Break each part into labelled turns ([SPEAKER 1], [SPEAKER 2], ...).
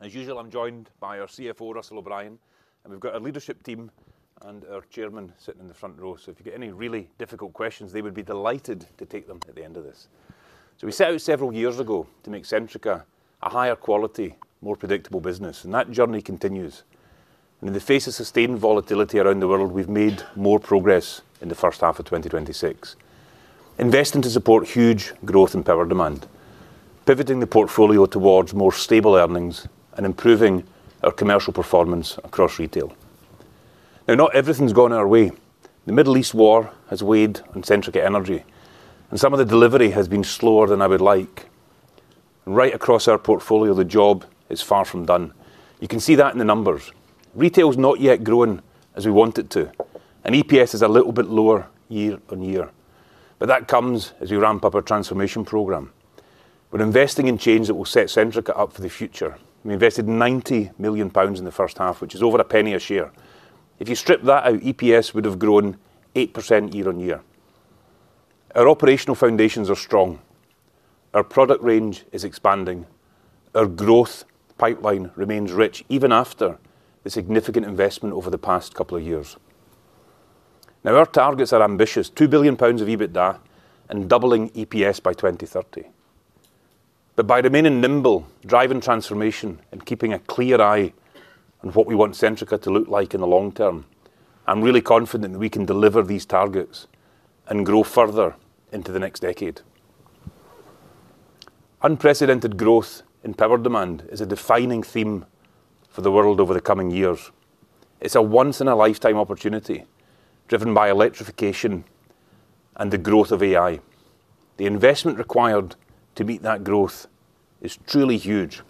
[SPEAKER 1] As usual, I'm joined by our CFO, Russell O'Brien, and we've got our leadership team and our chairman sitting in the front row. If you get any really difficult questions, they would be delighted to take them at the end of this. We set out several years ago to make Centrica a higher quality, more predictable business, and that journey continues. In the face of sustained volatility around the world, we've made more progress in the first half of 2026. Investing to support huge growth in power demand, pivoting the portfolio towards more stable earnings, and improving our commercial performance across Retail. Not everything's gone our way. The Middle East war has weighed on Centrica Energy, and some of the delivery has been slower than I would like. Right across our portfolio, the job is far from done. You can see that in the numbers. Retail is not yet growing as we want it to, and EPS is a little bit lower year-on-year. That comes as we ramp up our transformation program. We're investing in change that will set Centrica up for the future. We invested 90 million pounds in the first half, which is over a GBP 0.01 a share. If you strip that out, EPS would have grown 8% year-on-year. Our operational foundations are strong. Our product range is expanding. Our growth pipeline remains rich even after the significant investment over the past couple of years. Our targets are ambitious. 2 billion pounds of EBITDA and doubling EPS by 2030. By remaining nimble, driving transformation, and keeping a clear eye on what we want Centrica to look like in the long term, I'm really confident we can deliver these targets and grow further into the next decade. Unprecedented growth in power demand is a defining theme for the world over the coming years. It's a once-in-a-lifetime opportunity driven by electrification and the growth of AI. The investment required to meet that growth is truly huge.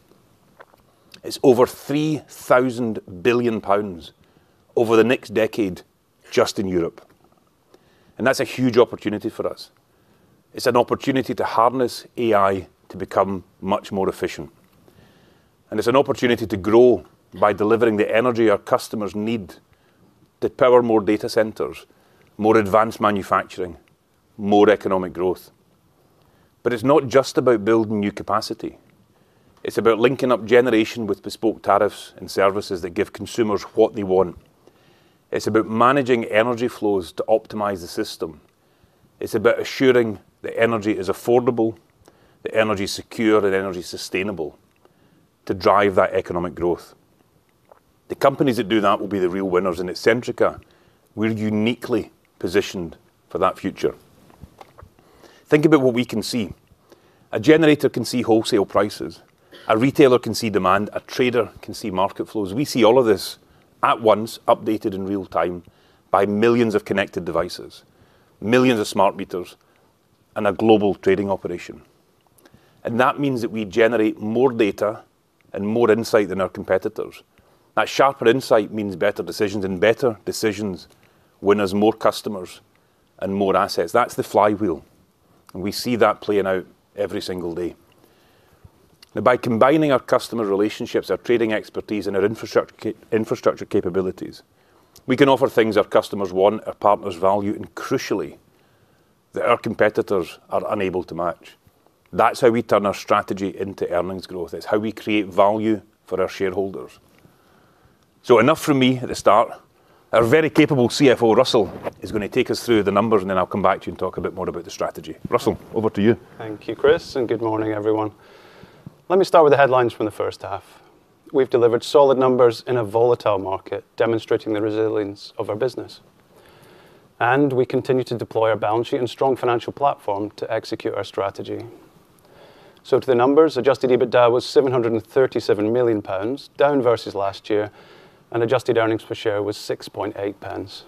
[SPEAKER 1] It's over 3 trillion pounds over the next decade, just in Europe, and that's a huge opportunity for us. It's an opportunity to harness AI to become much more efficient. It's an opportunity to grow by delivering the energy our customers need to power more data centers, more advanced manufacturing, more economic growth. It's not just about building new capacity. It's about linking up generation with bespoke tariffs and services that give consumers what they want. It's about managing energy flows to optimize the system. It's about assuring that energy is affordable, that energy is secure, and energy is sustainable to drive that economic growth. The companies that do that will be the real winners, and at Centrica, we're uniquely positioned for that future. Think about what we can see. A generator can see wholesale prices. A retailer can see demand. A trader can see market flows. We see all of this at once, updated in real time by millions of connected devices, millions of smart meters, and a global trading operation. That means that we generate more data and more insight than our competitors. That sharper insight means better decisions, and better decisions win us more customers and more assets. That's the flywheel, and we see that playing out every single day. By combining our customer relationships, our trading expertise, and our infrastructure capabilities, we can offer things our customers want, our partners value, and crucially, that our competitors are unable to match. That's how we turn our strategy into earnings growth. It's how we create value for our shareholders. Enough from me at the start. Our very capable CFO, Russell, is going to take us through the numbers, and then I'll come back to you and talk a bit more about the strategy. Russell, over to you.
[SPEAKER 2] Thank you, Chris, and good morning, everyone. Let me start with the headlines from the first half. We've delivered solid numbers in a volatile market, demonstrating the resilience of our business. We continue to deploy our balance sheet and strong financial platform to execute our strategy. To the numbers, adjusted EBITDA was 737 million pounds, down versus last year, and adjusted earnings per share was 0.068 pounds.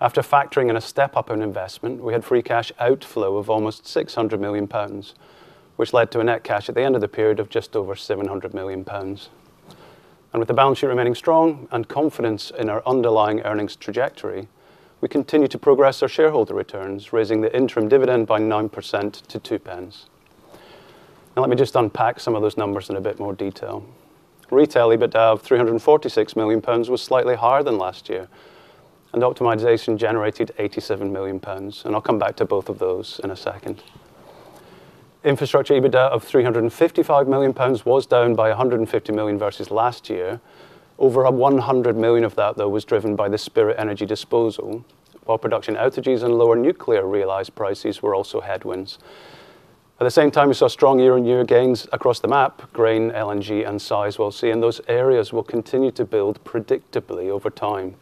[SPEAKER 2] After factoring in a step-up in investment, we had free cash outflow of almost 600 million pounds, which led to a net cash at the end of the period of just over 700 million pounds. With the balance sheet remaining strong and confidence in our underlying earnings trajectory, we continue to progress our shareholder returns, raising the interim dividend by 9% to 0.02. Let me just unpack some of those numbers in a bit more detail. Retail EBITDA of 346 million pounds was slightly higher than last year, and optimization generated 87 million pounds. I'll come back to both of those in a second. Infrastructure EBITDA of 355 million pounds was down by 150 million versus last year. Over 100 million of that, though, was driven by the Spirit Energy disposal, while production outages and lower nuclear realized prices were also headwinds. At the same time, we saw strong year-on-year gains across the MAP, Grain LNG, and Sizewell C, and those areas will continue to build predictably over time,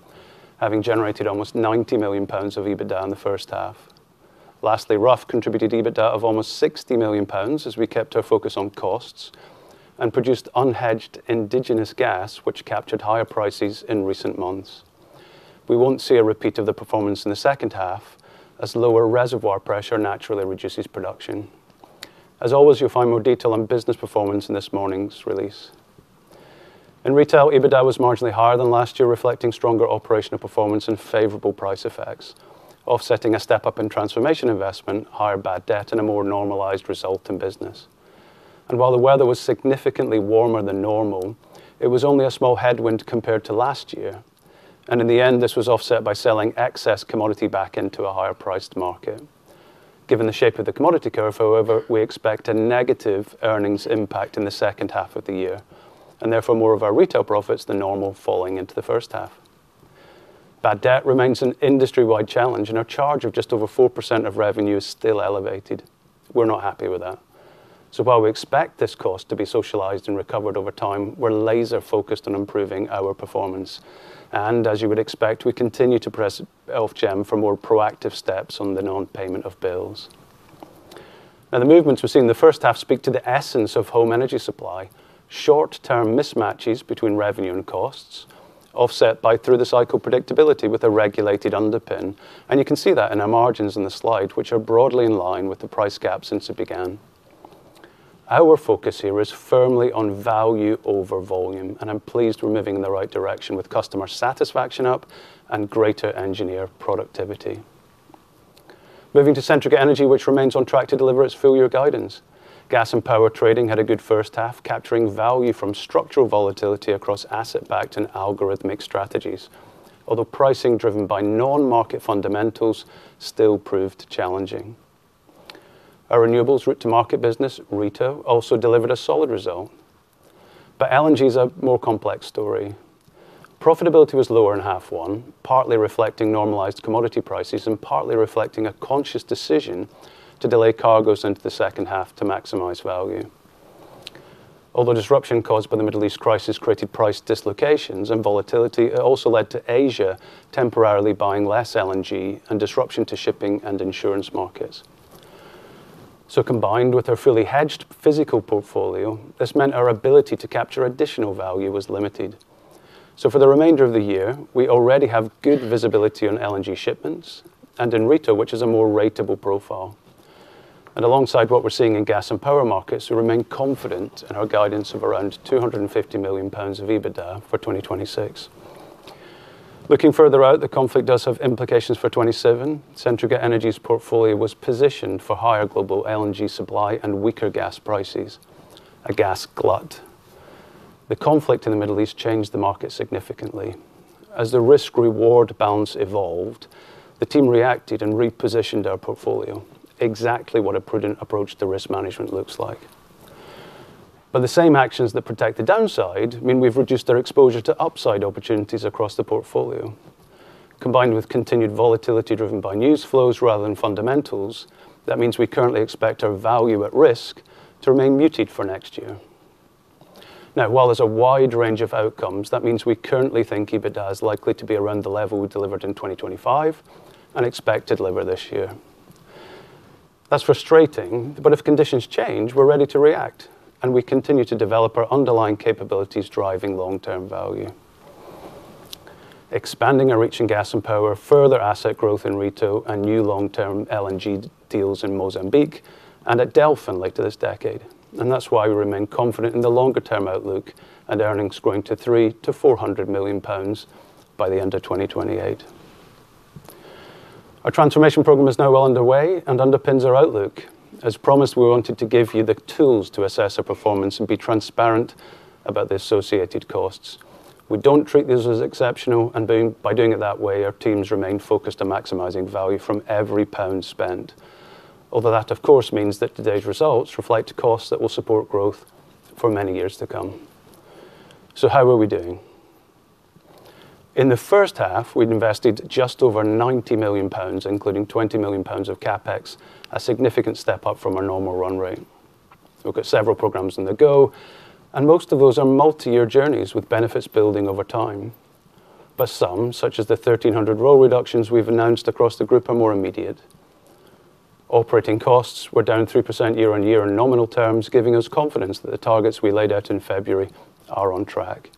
[SPEAKER 2] having generated almost 90 million pounds of EBITDA in the first half. Lastly, Rough contributed EBITDA of almost 60 million pounds as we kept our focus on costs and produced unhedged indigenous gas, which captured higher prices in recent months. We won't see a repeat of the performance in the second half as lower reservoir pressure naturally reduces production. As always, you'll find more detail on business performance in this morning's release. In Retail, EBITDA was marginally higher than last year, reflecting stronger operational performance and favorable price effects, offsetting a step-up in transformation investment, higher bad debt, and a more normalized result in business. While the weather was significantly warmer than normal, it was only a small headwind compared to last year. In the end, this was offset by selling excess commodity back into a higher-priced market. Given the shape of the commodity curve, however, we expect a negative earnings impact in the second half of the year, and therefore more of our Retail profits than normal falling into the first half. Bad debt remains an industry-wide challenge, and our charge of just over 4% of revenue is still elevated. We're not happy with that. While we expect this cost to be socialized and recovered over time, we're laser-focused on improving our performance. As you would expect, we continue to press Ofgem for more proactive steps on the non-payment of bills. The movements we've seen in the first half speak to the essence of home energy supply. Short-term mismatches between revenue and costs, offset by through-the-cycle predictability with a regulated underpin. You can see that in our margins in the slide, which are broadly in line with the price cap since it began. Our focus here is firmly on value over volume, and I'm pleased we're moving in the right direction with customer satisfaction up and greater engineer productivity. Moving to Centrica Energy, which remains on track to deliver its full-year guidance. Gas and Power trading had a good first half, capturing value from structural volatility across asset-backed and algorithmic strategies. Although pricing driven by non-market fundamentals still proved challenging. Our renewables route-to-market business, R2H, also delivered a solid result. LNG is a more complex story. Profitability was lower in half one, partly reflecting normalized commodity prices and partly reflecting a conscious decision to delay cargoes into the second half to maximize value. Although disruption caused by the Middle East crisis created price dislocations and volatility, it also led to Asia temporarily buying less LNG and disruption to shipping and insurance markets. Combined with our fully hedged physical portfolio, this meant our ability to capture additional value was limited. For the remainder of the year, we already have good visibility on LNG shipments and in R2H, which is a more ratable profile. Alongside what we're seeing in gas and power markets, we remain confident in our guidance of around 250 million pounds of EBITDA for 2026. Looking further out, the conflict does have implications for 2027. Centrica Energy's portfolio was positioned for higher global LNG supply and weaker gas prices. A gas glut. The conflict in the Middle East changed the market significantly. As the risk/reward balance evolved, the team reacted and repositioned our portfolio. Exactly what a prudent approach to risk management looks like. The same actions that protect the downside mean we've reduced our exposure to upside opportunities across the portfolio. Combined with continued volatility driven by news flows rather than fundamentals, that means we currently expect our value at risk to remain muted for next year. While there's a wide range of outcomes, that means we currently think EBITDA is likely to be around the level we delivered in 2025 and expect to deliver this year. That's frustrating, but if conditions change, we're ready to react, and we continue to develop our underlying capabilities driving long-term value. Expanding our reach in gas and power, further asset growth in R2H, and new long-term LNG deals in Mozambique and at Delfin later this decade. That's why we remain confident in the longer-term outlook and earnings growing to 300 million-400 million pounds by the end of 2028. Our transformation program is now well underway and underpins our outlook. As promised, we wanted to give you the tools to assess our performance and be transparent about the associated costs. We don't treat these as exceptional, and by doing it that way, our teams remain focused on maximizing value from every GBP spent. That, of course, means that today's results reflect costs that will support growth for many years to come. How are we doing? In the first half, we had invested just over 90 million pounds, including 20 million pounds of CapEx, a significant step up from our normal run rate. We've got several programs on the go, and most of those are multi-year journeys with benefits building over time. Some, such as the 1,300 role reductions we've announced across the group, are more immediate. Operating costs were down 3% year-over-year in nominal terms, giving us confidence that the targets we laid out in February are on track.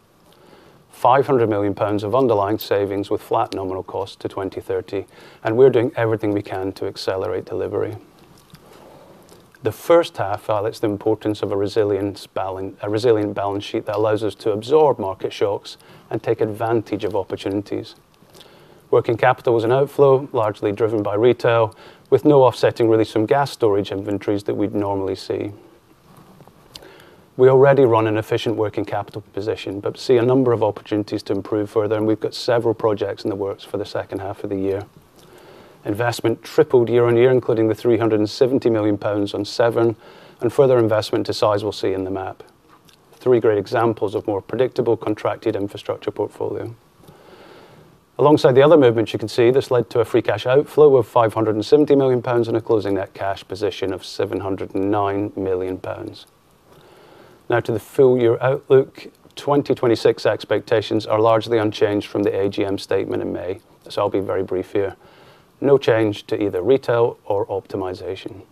[SPEAKER 2] 500 million pounds of underlying savings with flat nominal cost to 2030. We're doing everything we can to accelerate delivery. The first half highlights the importance of a resilient balance sheet that allows us to absorb market shocks and take advantage of opportunities. Working capital was an outflow, largely driven by Retail, with no offsetting release from gas storage inventories that we would normally see. We already run an efficient working capital position but see a number of opportunities to improve further, and we've got several projects in the works for the second half of the year. Investment tripled year-over-year, including the 370 million pounds on Severn and further investment to Sizewell C in the MAP. Three great examples of more predictable contracted infrastructure portfolio. Alongside the other movements you can see, this led to a free cash outflow of 570 million pounds and a closing net cash position of 709 million pounds. To the full-year outlook. 2026 expectations are largely unchanged from the AGM statement in May. I'll be very brief here. No change to either Retail or Optimization.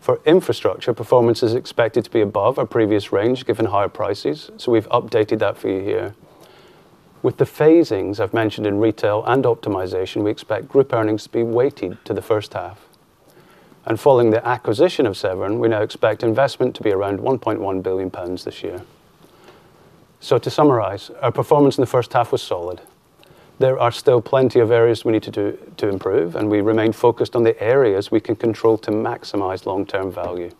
[SPEAKER 2] For Infrastructure, performance is expected to be above our previous range, given higher prices. We've updated that for you here. With the phasings I've mentioned in Retail and Optimization, we expect group earnings to be weighted to the first half. Following the acquisition of Severn, we now expect investment to be around 1.1 billion pounds this year. To summarize, our performance in the first half was solid. There are still plenty of areas we need to do to improve. We remain focused on the areas we can control to maximize long-term value.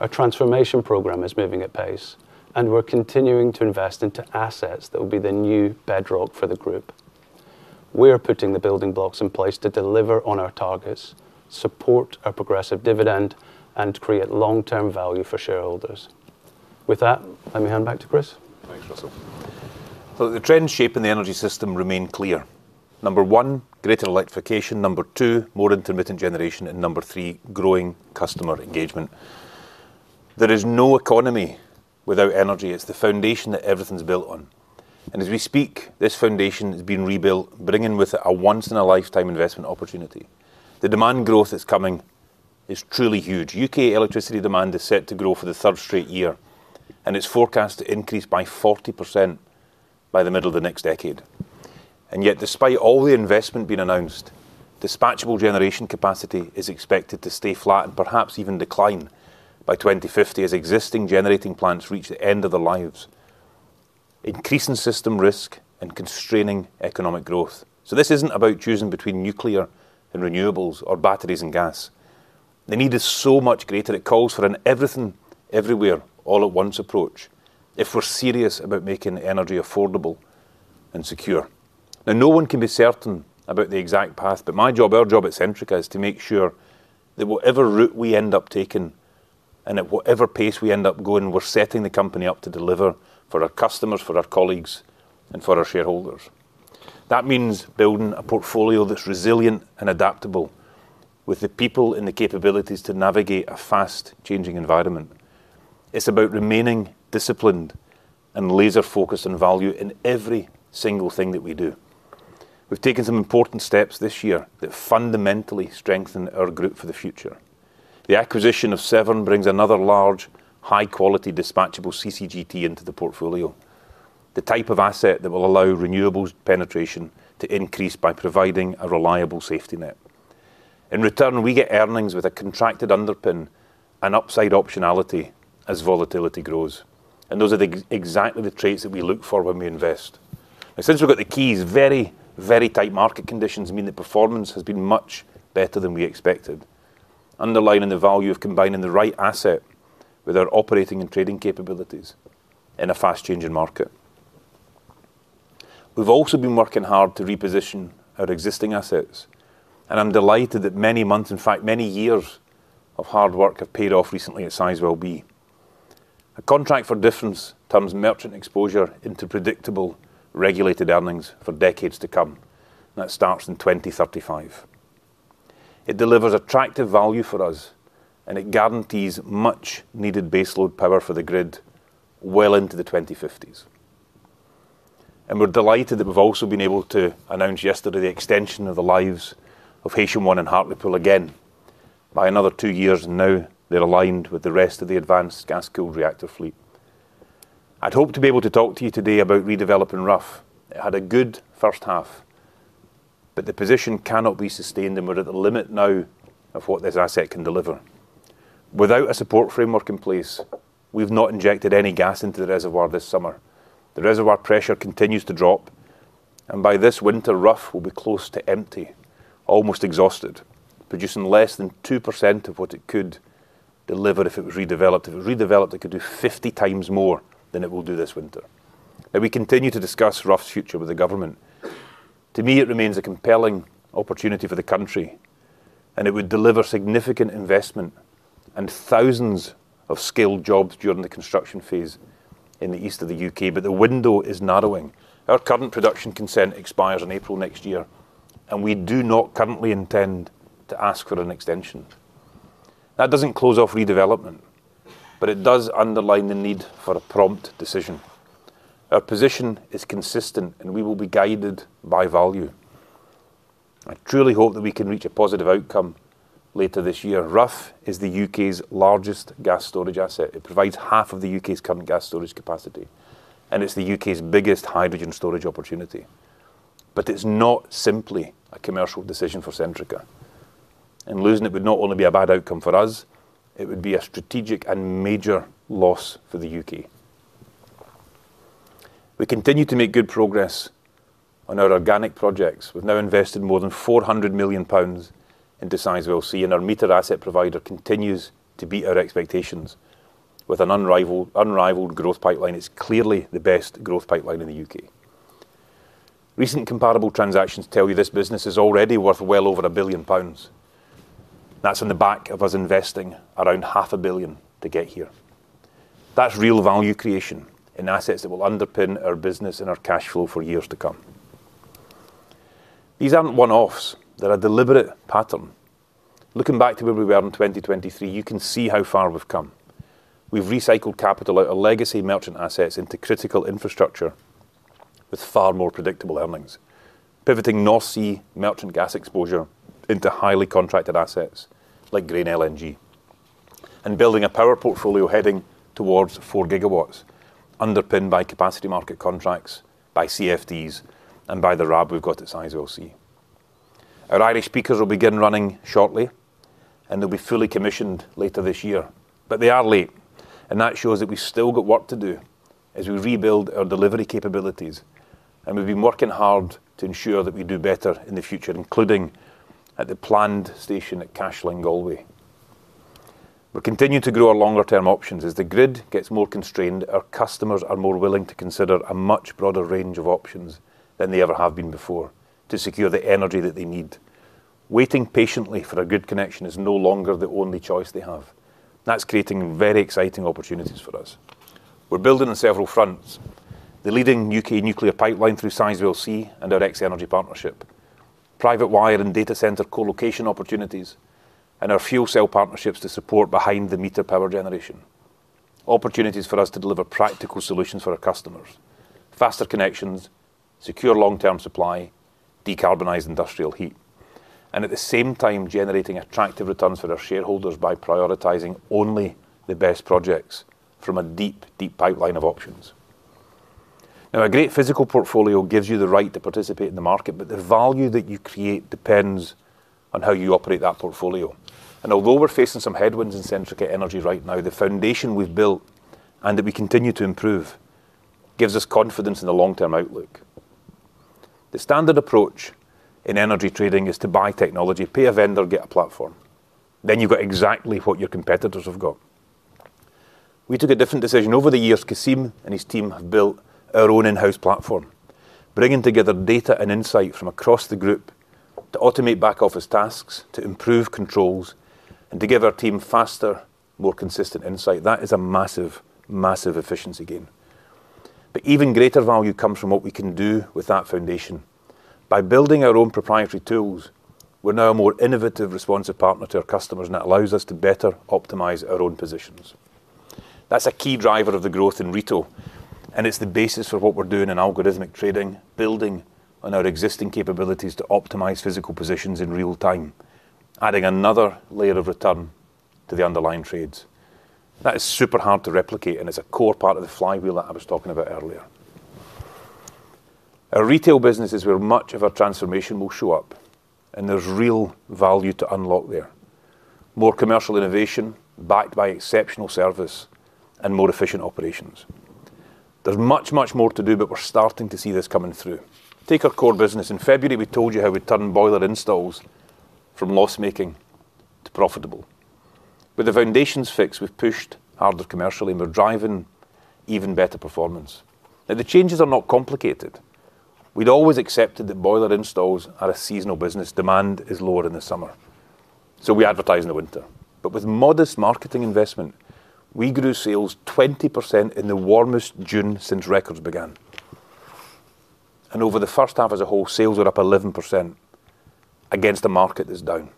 [SPEAKER 2] Our transformation program is moving at pace. We're continuing to invest into assets that will be the new bedrock for the group. We are putting the building blocks in place to deliver on our targets, support our progressive dividend and create long-term value for shareholders. With that, let me hand back to Chris.
[SPEAKER 1] Thanks, Russell. The trends shaping the energy system remain clear. Number one, greater electrification. Number two, more intermittent generation. Number three, growing customer engagement. There is no economy without energy. It's the foundation that everything's built on. As we speak, this foundation is being rebuilt, bringing with it a once-in-a-lifetime investment opportunity. The demand growth that's coming is truly huge. U.K. electricity demand is set to grow for the third straight year, and it's forecast to increase by 40% by the middle of the next decade. Yet, despite all the investment being announced, dispatchable generation capacity is expected to stay flat and perhaps even decline by 2050 as existing generating plants reach the end of their lives, increasing system risk and constraining economic growth. This isn't about choosing between nuclear and renewables or batteries and gas. The need is so much greater. It calls for an everything, everywhere, all at once approach if we're serious about making energy affordable and secure. No one can be certain about the exact path, my job, our job at Centrica, is to make sure that whatever route we end up taking and at whatever pace we end up going, we're setting the company up to deliver for our customers, for our colleagues, and for our shareholders. That means building a portfolio that's resilient and adaptable with the people and the capabilities to navigate a fast-changing environment. It's about remaining disciplined and laser-focused on value in every single thing that we do. We've taken some important steps this year that fundamentally strengthen our group for the future. The acquisition of Severn brings another large, high-quality dispatchable CCGT into the portfolio, the type of asset that will allow renewables penetration to increase by providing a reliable safety net. In return, we get earnings with a contracted underpin and upside optionality as volatility grows. Those are exactly the traits that we look for when we invest. Since we've got the keys, very tight market conditions mean the performance has been much better than we expected, underlining the value of combining the right asset with our operating and trading capabilities in a fast-changing market. We've also been working hard to reposition our existing assets, and I'm delighted that many months, in fact many years of hard work have paid off recently at Sizewell B. A contract for difference turns merchant exposure into predictable regulated earnings for decades to come. That starts in 2035. It delivers attractive value for us, it guarantees much needed baseload power for the grid well into the 2050s. We're delighted that we've also been able to announce yesterday the extension of the lives of Heysham 1 and Hartlepool again by another two years, and now they're aligned with the rest of the advanced gas cooled reactor fleet. I'd hoped to be able to talk to you today about redeveloping Rough. It had a good first half, the position cannot be sustained and we're at the limit now of what this asset can deliver. Without a support framework in place, we've not injected any gas into the reservoir this summer. The reservoir pressure continues to drop, by this winter, Rough will be close to empty, almost exhausted, producing less than 2% of what it could deliver if it was redeveloped. If it was redeveloped, it could do 50 times more than it will do this winter. We continue to discuss Rough's future with the government. To me, it remains a compelling opportunity for the country. It would deliver significant investment and thousands of skilled jobs during the construction phase in the east of the U.K. The window is narrowing. Our current production consent expires in April next year. We do not currently intend to ask for an extension. That doesn't close off redevelopment, but it does underline the need for a prompt decision. Our position is consistent. We will be guided by value. I truly hope that we can reach a positive outcome later this year. Rough is the U.K.'s largest gas storage asset. It provides half of the U.K.'s current gas storage capacity. It's the U.K.'s biggest hydrogen storage opportunity. It's not simply a commercial decision for Centrica. Losing it would not only be a bad outcome for us, it would be a strategic and major loss for the U.K. We continue to make good progress on our organic projects. We've now invested more than 400 million pounds into Sizewell C. Our meter asset provider continues to beat our expectations with an unrivaled growth pipeline. It's clearly the best growth pipeline in the U.K. Recent comparable transactions tell you this business is already worth well over 1 billion pounds. That's on the back of us investing around half a billion to get here. That's real value creation in assets that will underpin our business and our cash flow for years to come. These aren't one-offs. They're a deliberate pattern. Looking back to where we were in 2023, you can see how far we've come. We've recycled capital out of legacy merchant assets into critical infrastructure with far more predictable earnings, pivoting North Sea merchant gas exposure into highly contracted assets like Grain LNG, building a power portfolio heading towards four gigawatts, underpinned by capacity market contracts, by CFDs and by the RAB we've got at Sizewell C. Our Irish peakers will begin running shortly. They'll be fully commissioned later this year, but they are late. That shows that we've still got work to do as we rebuild our delivery capabilities. We've been working hard to ensure that we do better in the future, including at the planned station at Cashla in Galway. We'll continue to grow our longer-term options. The grid gets more constrained, our customers are more willing to consider a much broader range of options than they ever have been before to secure the energy that they need. Waiting patiently for a good connection is no longer the only choice they have. That's creating very exciting opportunities for us. We're building on several fronts. The leading U.K. nuclear pipeline through Sizewell C and our X-energy partnership, private wire and data center co-location opportunities, our fuel cell partnerships to support behind-the-meter power generation. Opportunities for us to deliver practical solutions for our customers, faster connections, secure long-term supply, decarbonized industrial heat, at the same time generating attractive returns for our shareholders by prioritizing only the best projects from a deep pipeline of options. A great physical portfolio gives you the right to participate in the market, but the value that you create depends on how you operate that portfolio. Although we're facing some headwinds in Centrica Energy right now, the foundation we've built and that we continue to improve gives us confidence in the long-term outlook. The standard approach in energy trading is to buy technology, pay a vendor, get a platform. You've got exactly what your competitors have got. We took a different decision. Over the years, Kasim and his team have built our own in-house platform, bringing together data and insight from across the group to automate back office tasks, to improve controls, and to give our team faster, more consistent insight. That is a massive efficiency gain. Even greater value comes from what we can do with that foundation. By building our own proprietary tools, we're now a more innovative, responsive partner to our customers, that allows us to better optimize our own positions. That's a key driver of the growth in Retail, it's the basis for what we're doing in algorithmic trading, building on our existing capabilities to optimize physical positions in real time, adding another layer of return to the underlying trades. That is super hard to replicate, is a core part of the flywheel that I was talking about earlier. Our Retail business is where much of our transformation will show up, there's real value to unlock there. More commercial innovation backed by exceptional service and more efficient operations. There's much, much more to do, we're starting to see this coming through. Take our core business. In February, we told you how we'd turned boiler installs from loss-making to profitable. With the foundations fixed, we've pushed harder commercially, we're driving even better performance. The changes are not complicated. We'd always accepted that boiler installs are a seasonal business. Demand is lower in the summer, we advertise in the winter. With modest marketing investment, we grew sales 20% in the warmest June since records began. Over the first half as a whole, sales are up 11% against a market that's down.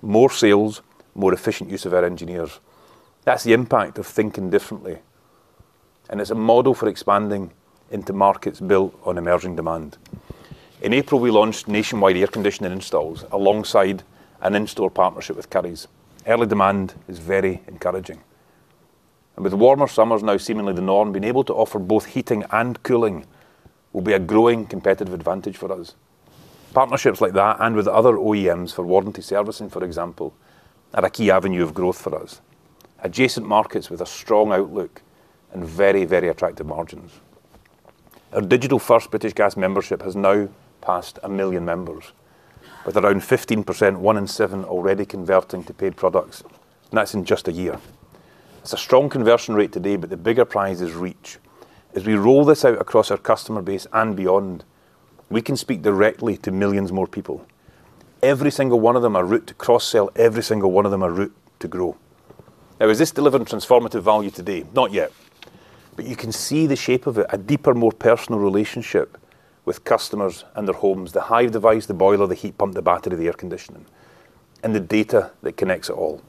[SPEAKER 1] More sales, more efficient use of our engineers. That's the impact of thinking differently, it's a model for expanding into markets built on emerging demand. In April, we launched nationwide air conditioning installs alongside an in-store partnership with Currys. Early demand is very encouraging. With warmer summers now seemingly the norm, being able to offer both heating and cooling will be a growing competitive advantage for us. Partnerships like that with other OEMs for warranty servicing, for example, are a key avenue of growth for us. Adjacent markets with a strong outlook, very attractive margins. Our digital-first British Gas membership has now passed 1 million members with around 15%, one in seven, already converting to paid products, that's in just a year. It's a strong conversion rate today, the bigger prize is reach. As we roll this out across our customer base and beyond, we can speak directly to millions more people. Every single one of them a route to cross-sell, every single one of them a route to grow. Is this delivering transformative value today? Not yet, but you can see the shape of it, a deeper, more personal relationship with customers and their homes, the Hive device, the boiler, the heat pump, the battery, the air conditioning, and the data that connects it all.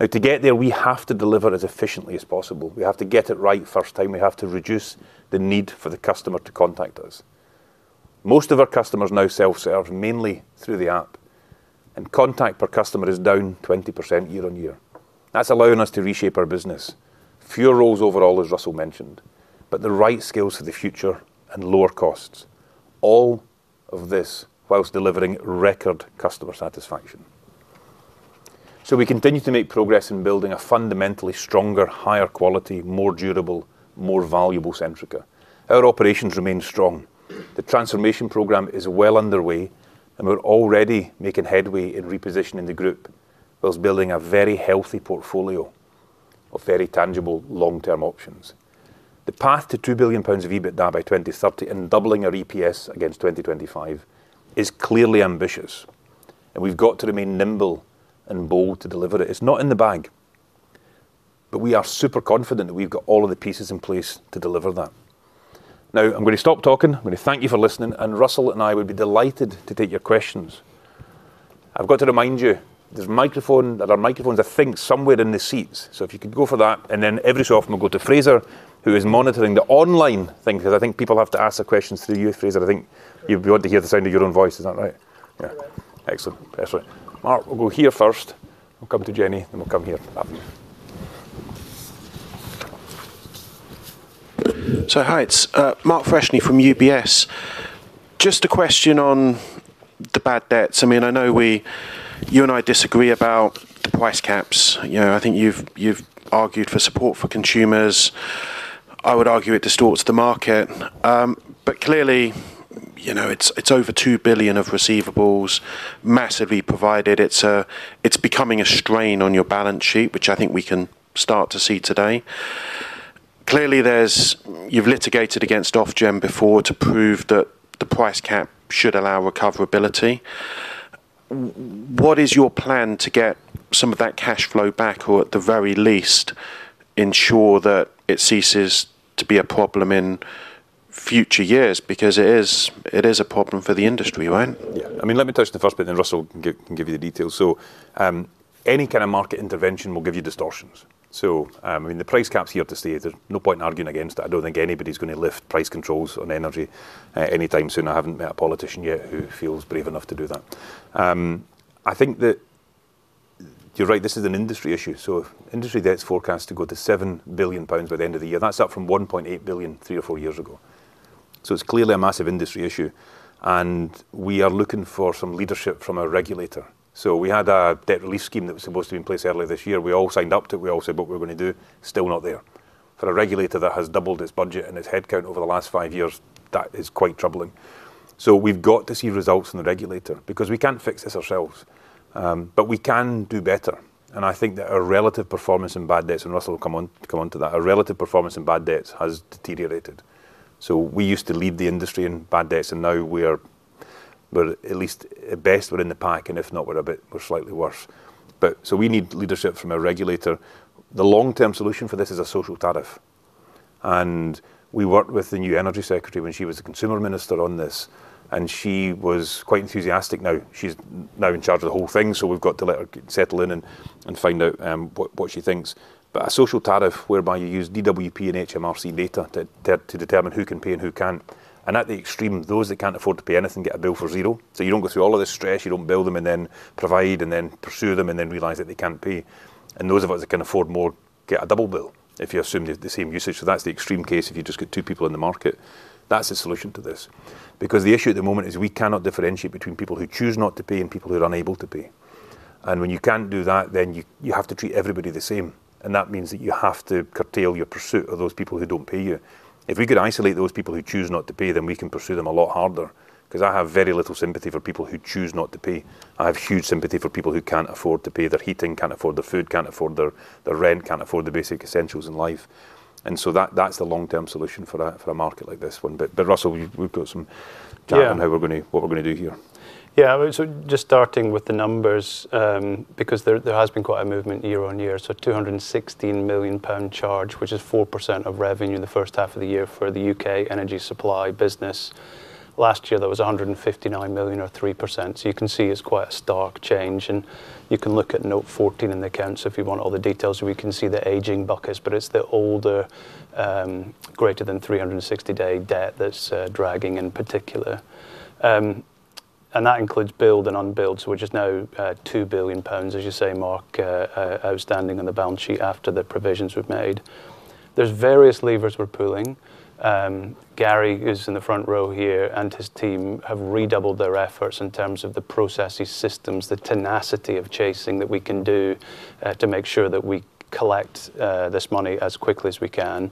[SPEAKER 1] To get there, we have to deliver as efficiently as possible. We have to get it right first time. We have to reduce the need for the customer to contact us. Most of our customers now self-serve mainly through the app, and contact per customer is down 20% year-over-year. That's allowing us to reshape our business. Fewer roles overall, as Russell mentioned, but the right skills for the future and lower costs. All of this whilst delivering record customer satisfaction. We continue to make progress in building a fundamentally stronger, higher quality, more durable, more valuable Centrica. Our operations remain strong. The transformation program is well underway, and we're already making headway in repositioning the group whilst building a very healthy portfolio of very tangible long-term options. The path to 2 billion pounds of EBITDA by 2030 and doubling our EPS against 2025 is clearly ambitious, and we've got to remain nimble and bold to deliver it. It's not in the bag, but we are super confident that we've got all of the pieces in place to deliver that. I'm going to stop talking. I'm going to thank you for listening, and Russell and I would be delighted to take your questions. I've got to remind you, there are microphones, I think, somewhere in the seats. If you could go for that, and then every so often we'll go to Fraser, who is monitoring the online thing, because I think people have to ask the questions through you, Fraser. I think you want to hear the sound of your own voice. Is that right?
[SPEAKER 3] Yeah.
[SPEAKER 1] Excellent. That's right. Mark, we'll go here first. We'll come to Jenny, then we'll come here.
[SPEAKER 4] Hi, it's Mark Freshney from UBS. Just a question on the bad debts. I know you and I disagree about the price caps. I think you've argued for support for consumers. I would argue it distorts the market. Clearly, it's over 2 billion of receivables, massively provided. It's becoming a strain on your balance sheet, which I think we can start to see today. Clearly, you've litigated against Ofgem before to prove that the price cap should allow recoverability. What is your plan to get some of that cash flow back, or at the very least, ensure that it ceases to be a problem in future years? It is a problem for the industry, right?
[SPEAKER 1] Yeah. Let me touch on the first bit, then Russell can give you the details. Any kind of market intervention will give you distortions. The price cap is here to stay. There's no point in arguing against it. I don't think anybody's going to lift price controls on energy anytime soon. I haven't met a politician yet who feels brave enough to do that. I think that you're right, this is an industry issue. Industry debt is forecast to go to 7 billion pounds by the end of the year. That's up from 1.8 billion, three or four years ago. It's clearly a massive industry issue, and we are looking for some leadership from a regulator. We had a debt relief scheme that was supposed to be in place earlier this year. We all signed up to it. We all said what we were going to do, still not there. For a regulator that has doubled its budget and its headcount over the last five years, that is quite troubling. We've got to see results from the regulator, because we can't fix this ourselves. We can do better, and I think that our relative performance in bad debts, and Russell will come onto that, our relative performance in bad debts has deteriorated. We used to lead the industry in bad debts, and now we're at best, we're in the pack, and if not, we're slightly worse. We need leadership from a regulator. The long-term solution for this is a social tariff. We worked with the new Energy Secretary when she was the Consumer Minister on this, and she was quite enthusiastic. She's in charge of the whole thing, we've got to let her settle in and find out what she thinks. A social tariff, whereby you use DWP and HMRC data to determine who can pay and who can't. At the extreme, those that can't afford to pay anything get a bill for zero. You don't go through all of this stress. You don't bill them and then provide and then pursue them, and then realize that they can't pay. Those of us that can afford more get a double bill, if you assume the same usage. That's the extreme case, if you just get two people in the market. That's the solution to this. The issue at the moment is we cannot differentiate between people who choose not to pay and people who are unable to pay. When you can't do that, you have to treat everybody the same. That means that you have to curtail your pursuit of those people who don't pay you. If we could isolate those people who choose not to pay, we can pursue them a lot harder. I have very little sympathy for people who choose not to pay. I have huge sympathy for people who can't afford to pay their heating, can't afford their food, can't afford their rent, can't afford the basic essentials in life. That's the long-term solution for a market like this one. Russell, we've got some chat-
[SPEAKER 2] Yeah
[SPEAKER 1] On what we're going to do here.
[SPEAKER 2] Yeah. Just starting with the numbers, because there has been quite a movement year-on-year. 216 million pound charge, which is 4% of revenue in the first half of the year for the U.K. energy supply business. Last year, that was 159 million, or 3%. You can see it's quite a stark change, and you can look at note 14 in the accounts if you want all the details where you can see the aging buckets. It's the older, greater than 360-day debt that's dragging in particular. That includes billed and unbilled, which is now 2 billion pounds, as you say, Mark, outstanding on the balance sheet after the provisions we've made. There's various levers we're pulling. Gary, who's in the front row here, and his team have redoubled their efforts in terms of the processes, systems, the tenacity of chasing that we can do to make sure that we collect this money as quickly as we can.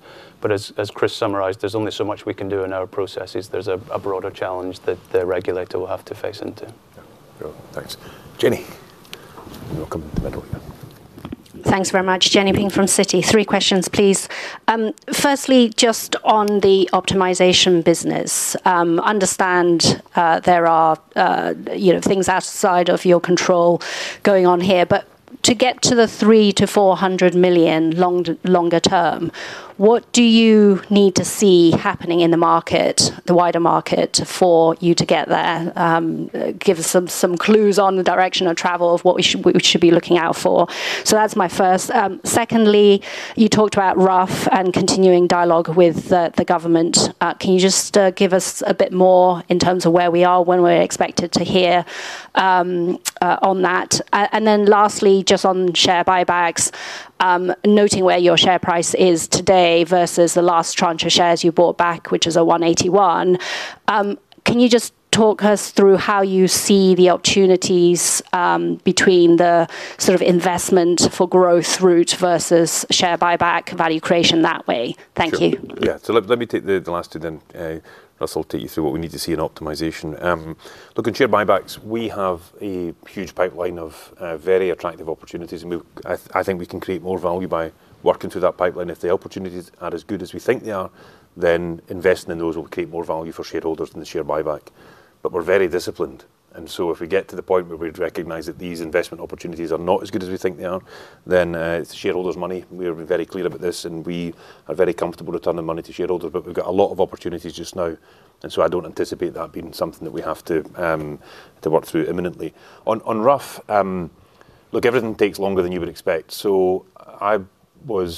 [SPEAKER 2] As Chris summarized, there's only so much we can do in our processes. There's a broader challenge that the regulator will have to face into.
[SPEAKER 1] Yeah. Brilliant. Thanks, Jenny. Welcome middle here.
[SPEAKER 5] Thanks very much. Jenny Ping from Citi. Three questions, please. Firstly, just on the optimization business. Understand there are things outside of your control going on here, but to get to the 300 million-400 million longer term, what do you need to see happening in the market, the wider market for you to get there? Give us some clues on the direction of travel of what we should be looking out for. That's my first. Secondly, you talked about Rough and continuing dialogue with the government. Can you just give us a bit more in terms of where we are, when we're expected to hear on that? Lastly, just on share buybacks. Noting where your share price is today versus the last tranche of shares you bought back, which is at 181. Can you just talk us through how you see the opportunities between the sort of investment for growth route versus share buyback value creation that way? Thank you.
[SPEAKER 1] Sure. Yeah. Let me take the last two, then Russell will take you through what we need to see in optimization. Look, on share buybacks, we have a huge pipeline of very attractive opportunities, and I think we can create more value by working through that pipeline. If the opportunities are as good as we think they are, then investing in those will create more value for shareholders than the share buyback. We're very disciplined, and so if we get to the point where we'd recognize that these investment opportunities are not as good as we think they are, then it's the shareholders' money. We have been very clear about this, and we are very comfortable returning money to shareholders. We've got a lot of opportunities just now, and so I don't anticipate that being something that we have to work through imminently. On Rough, look, everything takes longer than you would expect. I'd had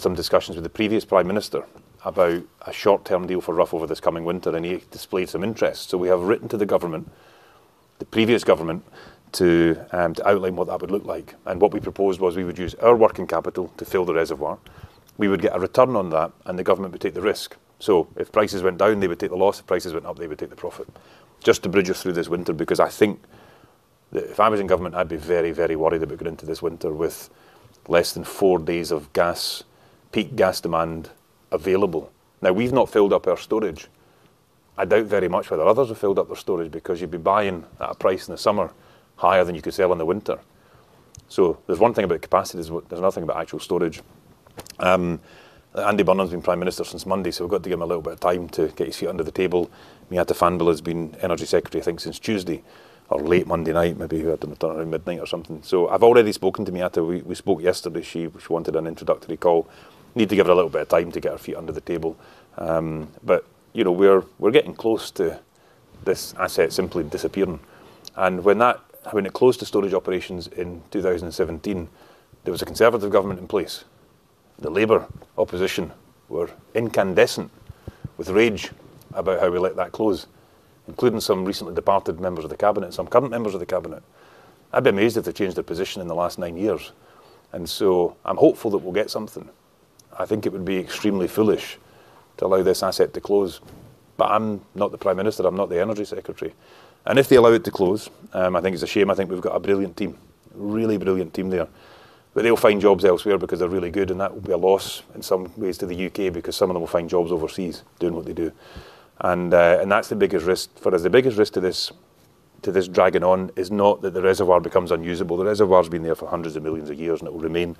[SPEAKER 1] some discussions with the previous Prime Minister about a short-term deal for Rough over this coming winter, and he displayed some interest. We have written to the previous government to outline what that would look like. What we proposed was we would use our working capital to fill the reservoir. We would get a return on that, and the government would take the risk. If prices went down, they would take the loss. If prices went up, they would take the profit. Just to bridge us through this winter, because I think that if I was in government, I'd be very worried that we're going into this winter with less than four days of peak gas demand available. We've not filled up our storage. I doubt very much whether others have filled up their storage, because you'd be buying at a price in the summer higher than you could sell in the winter. There's one thing about capacity. There's another thing about actual storage. Andy Burnham's been Prime Minister since Monday, we've got to give him a little bit of time to get his feet under the table. Miatta Fahnbulleh has been Energy Secretary, I think, since Tuesday or late Monday night, maybe. I don't know, turnaround midnight or something. I've already spoken to Miatta. We spoke yesterday. She wanted an introductory call. Need to give her a little bit of time to get her feet under the table. We're getting close to this asset simply disappearing. When it closed to storage operations in 2017, there was a Conservative government in place. The Labour opposition were incandescent with rage about how we let that close, including some recently departed members of the cabinet, some current members of the cabinet. I'd be amazed if they changed their position in the last nine years. I'm hopeful that we'll get something. I think it would be extremely foolish to allow this asset to close. I'm not the Prime Minister, I'm not the Energy Secretary. If they allow it to close, I think it's a shame. I think we've got a brilliant team, a really brilliant team there. They will find jobs elsewhere because they're really good, and that will be a loss in some ways to the U.K. because some of them will find jobs overseas doing what they do. That's the biggest risk for us. The biggest risk to this dragging on is not that the reservoir becomes unusable. The reservoir's been there for hundreds of millions of years, and it will remain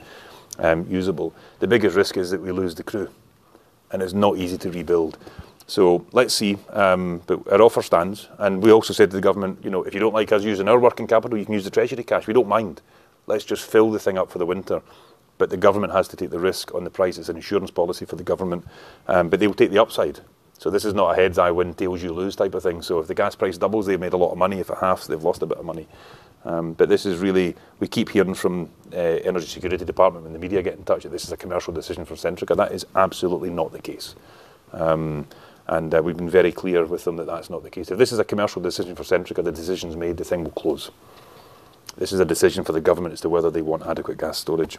[SPEAKER 1] usable. The biggest risk is that we lose the crew, and it's not easy to rebuild. Let's see. Our offer stands, and we also said to the government, "If you don't like us using our working capital, you can use the treasury cash. We don't mind. Let's just fill the thing up for the winter." The government has to take the risk on the prices and insurance policy for the government. They will take the upside. This is not a heads I win, tails you lose type of thing. If the gas price doubles, they've made a lot of money. If it halves, they've lost a bit of money. This is really, we keep hearing from energy security department when the media get in touch that this is a commercial decision for Centrica. That is absolutely not the case. We've been very clear with them that that's not the case. If this is a commercial decision for Centrica, the decision's made, the thing will close. This is a decision for the government as to whether they want adequate gas storage.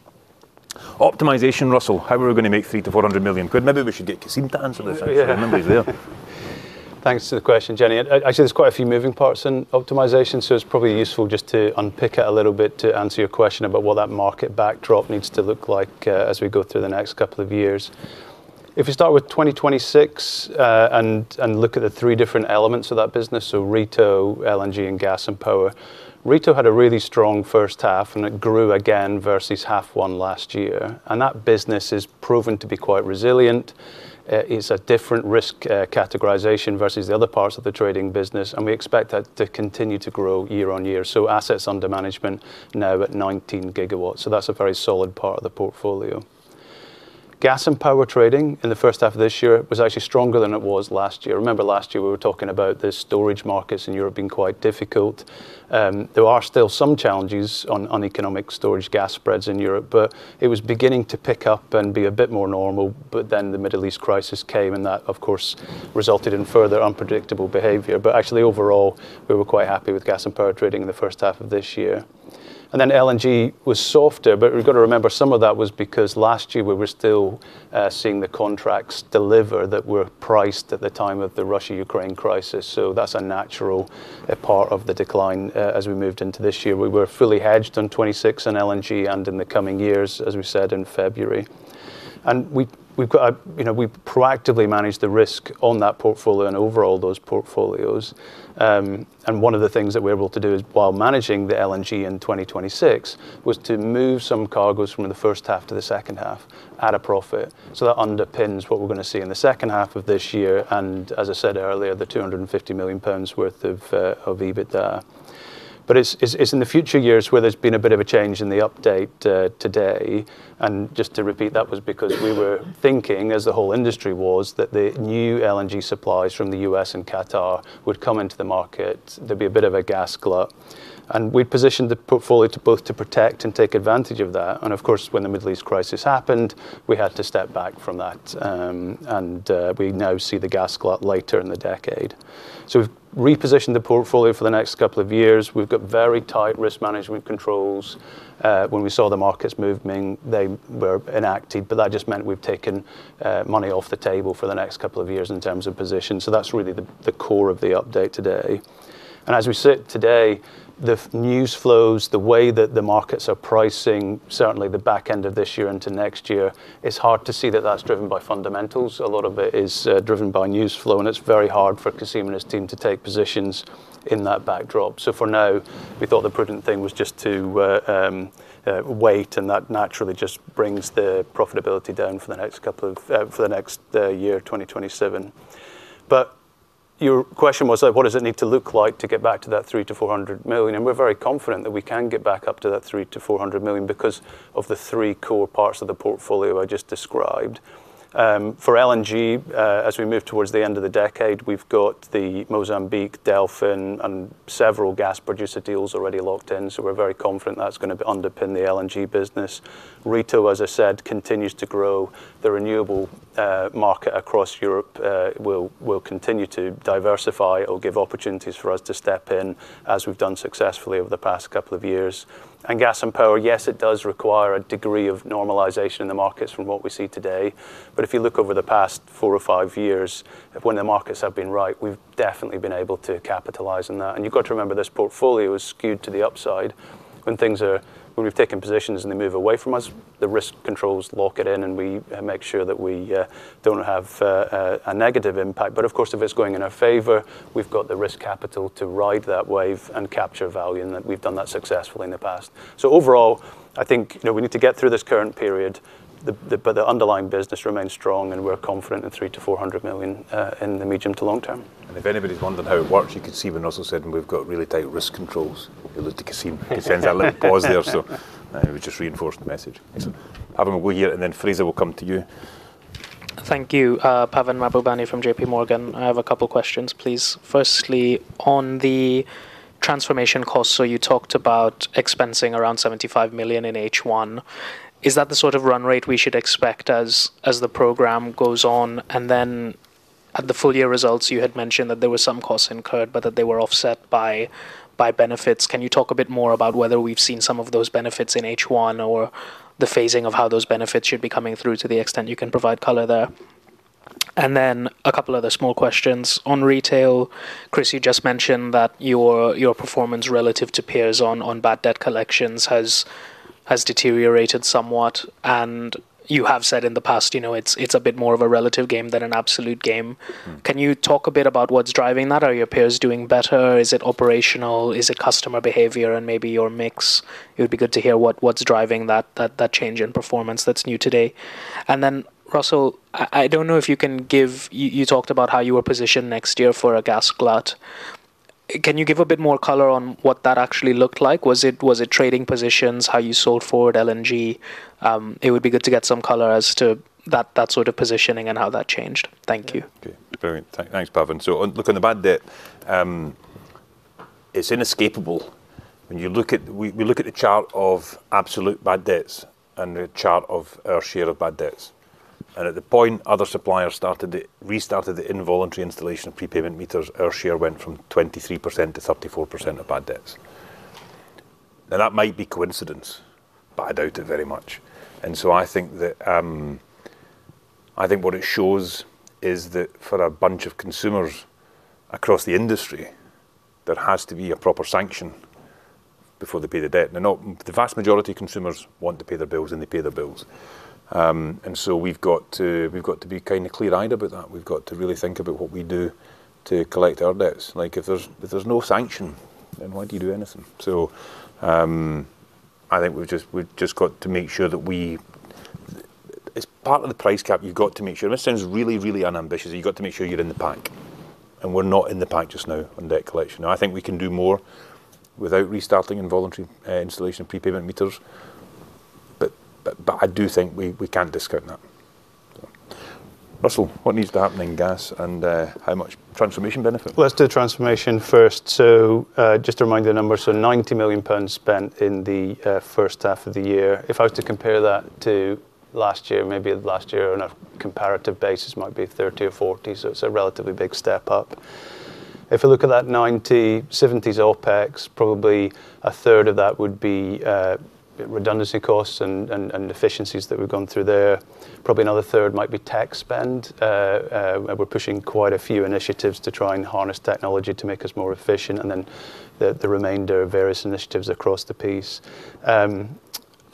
[SPEAKER 1] Optimization, Russell, how are we going to make 300 million-400 million quid? Maybe we should get Kasim to answer this actually.
[SPEAKER 2] Yeah
[SPEAKER 1] Now that he's there.
[SPEAKER 2] Thanks for the question, Jenny. Actually, there's quite a few moving parts in optimization, it's probably useful just to unpick it a little bit to answer your question about what that market backdrop needs to look like, as we go through the next couple of years. If you start with 2026, and look at the three different elements of that business, R2, LNG, and gas and power. R2 had a really strong first half, and it grew again versus half 1 last year. That business has proven to be quite resilient. It's a different risk categorization versus the other parts of the trading business, and we expect that to continue to grow year-on-year. Assets under management now at 19 GW. That's a very solid part of the portfolio. Gas and power trading in the first half of this year was actually stronger than it was last year. Remember last year we were talking about the storage markets in Europe being quite difficult. There are still some challenges on economic storage gas spreads in Europe, it was beginning to pick up and be a bit more normal. The Middle East crisis came, and that of course, resulted in further unpredictable behavior. Actually, overall, we were quite happy with gas and power trading in the first half of this year. LNG was softer. We've got to remember some of that was because last year we were still seeing the contracts deliver that were priced at the time of the Russia-Ukraine crisis. That's a natural part of the decline as we moved into this year. We were fully hedged on 2026 in LNG and in the coming years, as we said in February. We've proactively managed the risk on that portfolio and overall those portfolios. One of the things that we're able to do is, while managing the LNG in 2026, was to move some cargoes from the first half to the second half at a profit. That underpins what we're going to see in the second half of this year, and as I said earlier, the 250 million pounds worth of EBITDA. It's in the future years where there's been a bit of a change in the update today. Just to repeat, that was because we were thinking, as the whole industry was, that the new LNG supplies from the U.S. and Qatar would come into the market. There'd be a bit of a gas glut. We'd positioned the portfolio to both protect and take advantage of that. Of course, when the Middle East crisis happened, we had to step back from that. We now see the gas glut later in the decade. We've repositioned the portfolio for the next couple of years. We've got very tight risk management controls. When we saw the markets moving, they were enacted, but that just meant we've taken money off the table for the next couple of years in terms of position. That's really the core of the update today. As we sit today, the news flows, the way that the markets are pricing certainly the back end of this year into next year, it's hard to see that that's driven by fundamentals. A lot of it is driven by news flow, and it's very hard for Cassim and his team to take positions in that backdrop. For now, we thought the prudent thing was just to wait, and that naturally just brings the profitability down for the next year, 2027. Your question was, what does it need to look like to get back to that 300 million-400 million? We're very confident that we can get back up to that 300 million-400 million because of the three core parts of the portfolio I just described. For LNG, as we move towards the end of the decade, we've got the Mozambique, Delfin, and Severn gas producer deals already locked in. We're very confident that's going to underpin the LNG business. Retail, as I said, continues to grow. The renewable market across Europe will continue to diversify or give opportunities for us to step in, as we've done successfully over the past couple of years. Gas and power, yes, it does require a degree of normalization in the markets from what we see today. If you look over the past four or five years, when the markets have been right, we've definitely been able to capitalize on that. You've got to remember, this portfolio is skewed to the upside. When we've taken positions and they move away from us, the risk controls lock it in, and we make sure that we don't have a negative impact. Of course, if it's going in our favor, we've got the risk capital to ride that wave and capture value, and we've done that successfully in the past. Overall, I think, we need to get through this current period, but the underlying business remains strong, and we're confident in 300 million-400 million in the medium to long term.
[SPEAKER 1] If anybody's wondering how it works, you could see when Russell said we've got really tight risk controls, you looked at Kasim. He sensed that little pause there, it just reinforced the message.
[SPEAKER 2] Excellent.
[SPEAKER 1] Pavan, we'll hear, Fraser, we'll come to you.
[SPEAKER 6] Thank you. Pavan Mahbubani from JPMorgan. I have a couple questions, please. Firstly, on the transformation costs, you talked about expensing around 75 million in H1. Is that the sort of run rate we should expect as the program goes on? At the full-year results, you had mentioned that there were some costs incurred, but that they were offset by benefits. Can you talk a bit more about whether we've seen some of those benefits in H1 or the phasing of how those benefits should be coming through to the extent you can provide color there? A couple other small questions. On Retail, Chris, you just mentioned that your performance relative to peers on bad debt collections has deteriorated somewhat, you have said in the past, it's a bit more of a relative game than an absolute game. Can you talk a bit about what's driving that? Are your peers doing better? Is it operational? Is it customer behavior and maybe your mix? It would be good to hear what's driving that change in performance that's new today. Russell, I don't know if you can give You talked about how you were positioned next year for a gas glut. Can you give a bit more color on what that actually looked like? Was it trading positions, how you sold forward LNG? It would be good to get some color as to that sort of positioning and how that changed. Thank you.
[SPEAKER 1] Okay. Brilliant. Thanks, Pavan. On looking at bad debt, it's inescapable. We look at the chart of absolute bad debts and the chart of our share of bad debts. At the point other suppliers restarted the involuntary installation of prepayment meters, our share went from 23%-34% of bad debts. That might be coincidence, but I doubt it very much. I think what it shows is that for a bunch of consumers across the industry, there has to be a proper sanction before they pay the debt. The vast majority of consumers want to pay their bills, and they pay their bills. We've got to be kind of clear-eyed about that. We've got to really think about what we do to collect our debts. If there's no sanction, then why do you do anything? I think we've just got to make sure. As part of the price cap, you've got to make sure, and this sounds really, really unambitious, you've got to make sure you're in the pack. We're not in the pack just now on debt collection. I think we can do more without restarting involuntary installation of prepayment meters. I do think we can't discount that. Russell, what needs to happen in gas and how much transformation benefit?
[SPEAKER 2] Well, let's do transformation first. Just to remind the numbers, 90 million pounds spent in the first half of the year. If I was to compare that to last year, maybe last year on a comparative basis might be 30 or 40, it's a relatively big step up. If you look at that 90, 70 is OpEx, probably a third of that would be redundancy costs and efficiencies that we've gone through there. Probably another third might be tech spend. We're pushing quite a few initiatives to try and harness technology to make us more efficient, the remainder are various initiatives across the piece.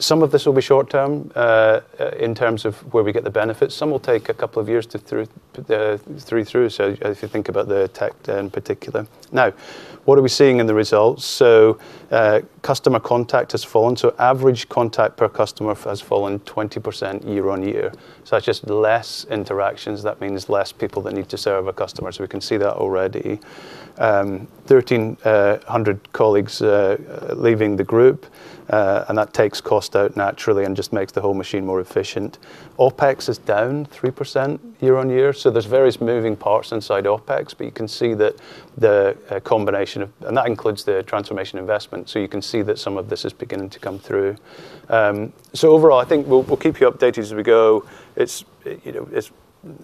[SPEAKER 2] Some of this will be short term, in terms of where we get the benefits. Some will take a couple of years to through. If you think about the tech, in particular. What are we seeing in the results? Customer contact has fallen. Average contact per customer has fallen 20% year-on-year. That's just less interactions. That means less people that need to serve a customer. We can see that already. 1,300 colleagues leaving the group, and that takes cost out naturally and just makes the whole machine more efficient. OpEx is down 3% year-on-year. There's various moving parts inside OpEx, but you can see that the combination of that includes the transformation investment. You can see that some of this is beginning to come through. Overall, I think we'll keep you updated as we go.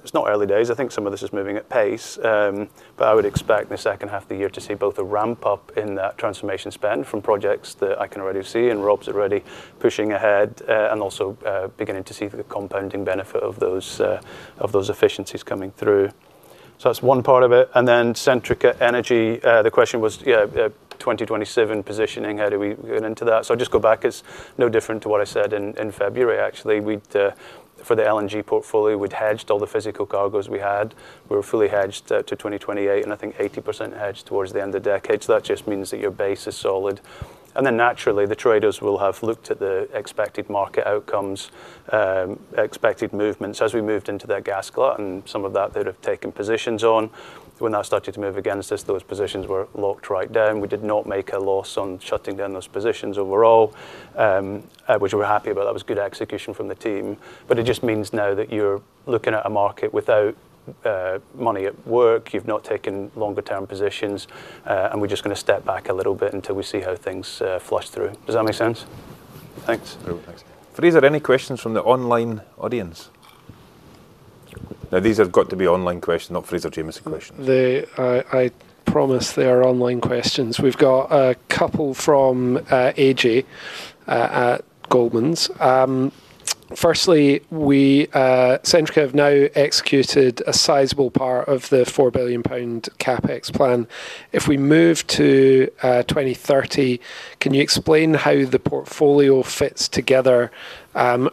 [SPEAKER 2] It's not early days. I think some of this is moving at pace. I would expect in the second half of the year to see both a ramp-up in that transformation spend from projects that I can already see and Rob's already pushing ahead, and also, beginning to see the compounding benefit of those efficiencies coming through. That's one part of it. Centrica Energy, the question was 2027 positioning, how do we get into that? I'll just go back. It's no different to what I said in February, actually. For the LNG portfolio, we'd hedged all the physical cargoes we had. We were fully hedged out to 2028, and I think 80% hedged towards the end of the decade. That just means that your base is solid. Naturally, the traders will have looked at the expected market outcomes, expected movements. As we moved into their gas glut and some of that they'd have taken positions on. When that started to move against us, those positions were locked right down. We did not make a loss on shutting down those positions overall, which we were happy about. That was good execution from the team. It just means now that you're looking at a market without money at work, you've not taken longer-term positions, and we're just going to step back a little bit until we see how things flush through. Does that make sense? Thanks.
[SPEAKER 1] Thanks. Fraser, any questions from the online audience? These have got to be online questions, not Fraser Jamieson questions.
[SPEAKER 3] I promise they are online questions. We've got a couple from AJ at Goldman's. Firstly, Centrica have now executed a sizable part of the 4 billion pound CapEx plan. If we move to 2030, can you explain how the portfolio fits together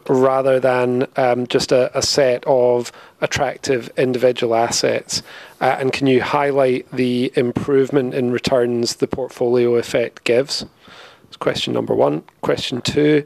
[SPEAKER 3] rather than just a set of attractive individual assets? Can you highlight the improvement in returns the portfolio effect gives? That's question number 1. Question 2,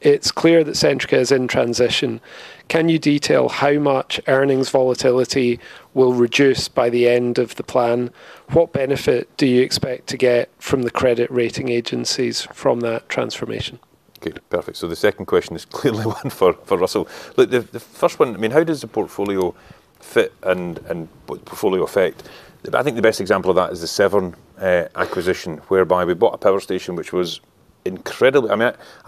[SPEAKER 3] it's clear that Centrica is in transition. Can you detail how much earnings volatility will reduce by the end of the plan? What benefit do you expect to get from the credit rating agencies from that transformation?
[SPEAKER 1] Good. Perfect. The second question is clearly one for Russell. Look, the 1st one, how does the portfolio fit and portfolio effect? I think the best example of that is the Severn acquisition, whereby we bought a power station. I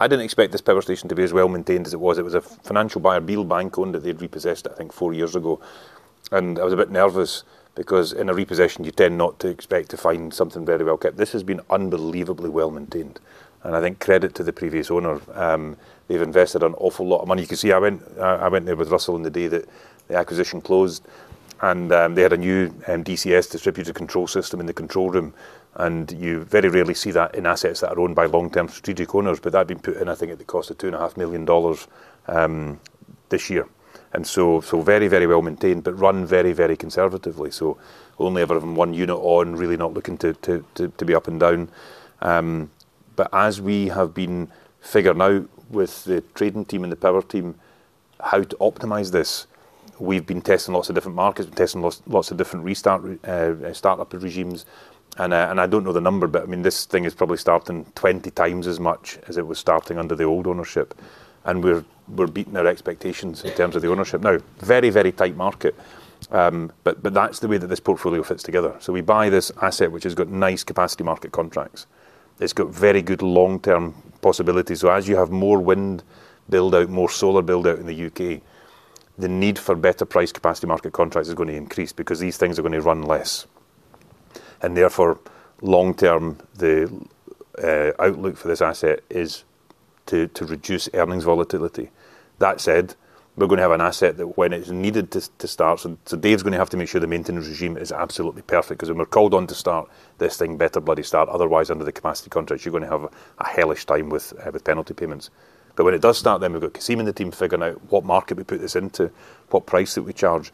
[SPEAKER 1] didn't expect this power station to be as well-maintained as it was. It was a financial buyer, Beal Bank, owned it. They'd repossessed, I think, four years ago. I was a bit nervous because in a repossession, you tend not to expect to find something very well-kept. This has been unbelievably well-maintained, and I think credit to the previous owner. They've invested an awful lot of money. You can see I went there with Russell on the day that the acquisition closed. They had a new DCS, distributed control system, in the control room. You very rarely see that in assets that are owned by long-term strategic owners. That had been put in, I think, at the cost of GBP 2.5 million this year. Very well maintained, but run very conservatively. Only ever having one unit on, really not looking to be up and down. As we have been figuring out with the trading team and the power team how to optimize this, we've been testing lots of different markets. We're testing lots of different startup regimes. I don't know the number, but this thing is probably starting 20 times as much as it was starting under the old ownership. We're beating our expectations in terms of the ownership. Now, very tight market. That's the way that this portfolio fits together. We buy this asset, which has got nice capacity market contracts. It's got very good long-term possibilities. As you have more wind build out, more solar build out in the UK, the need for better price capacity market contracts is going to increase because these things are going to run less. Therefore, long term, the outlook for this asset is to reduce earnings volatility. That said, we're going to have an asset that when it is needed to start. Dave's going to have to make sure the maintenance regime is absolutely perfect because when we're called on to start this thing better bloody start, otherwise under the capacity contracts, you're going to have a hellish time with penalty payments. When it does start, then we've got Kasim and the team figuring out what market we put this into, what price that we charge.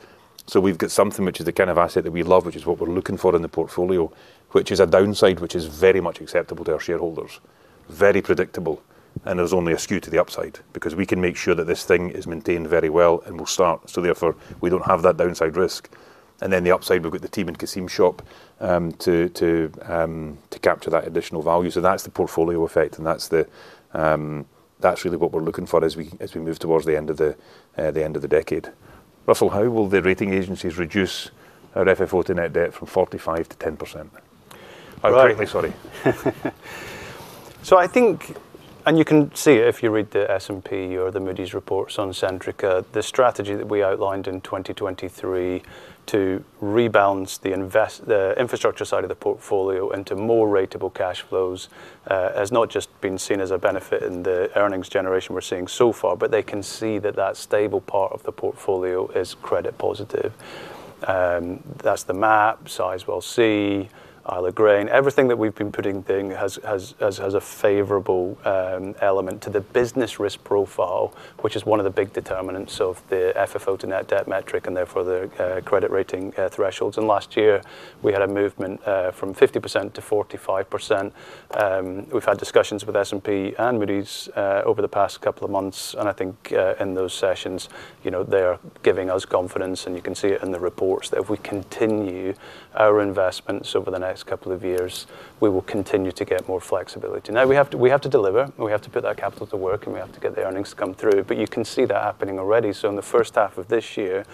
[SPEAKER 1] We've got something which is the kind of asset that we love, which is what we're looking for in the portfolio, which is a downside which is very much acceptable to our shareholders. Very predictable, and there's only a skew to the upside because we can make sure that this thing is maintained very well and will start. Therefore, we don't have that downside risk. Then the upside, we've got the team in Kasim's shop to capture that additional value. That's the portfolio effect, and that's really what we're looking for as we move towards the end of the decade. Russell, how will the rating agencies reduce our FFO to net debt from 45%-10%? I'm greatly sorry.
[SPEAKER 2] I think, and you can see if you read the S&P or the Moody's reports on Centrica, the strategy that we outlined in 2023 to rebalance the infrastructure side of the portfolio into more ratable cash flows has not just been seen as a benefit in the earnings generation we're seeing so far, but they can see that that stable part of the portfolio is credit positive. That's the MAP, Sizewell C, Isle of Grain. Everything that we've been putting has a favorable element to the business risk profile, which is one of the big determinants of the FFO to net debt metric and, therefore, the credit rating thresholds. Last year, we had a movement from 50%-45%. We've had discussions with S&P and Moody's over the past couple of months, and I think in those sessions, they are giving us confidence, and you can see it in the reports, that if we continue our investments over the next couple of years, we will continue to get more flexibility. We have to deliver, and we have to put that capital to work, and we have to get the earnings to come through. You can see that happening already. In the first half of this year,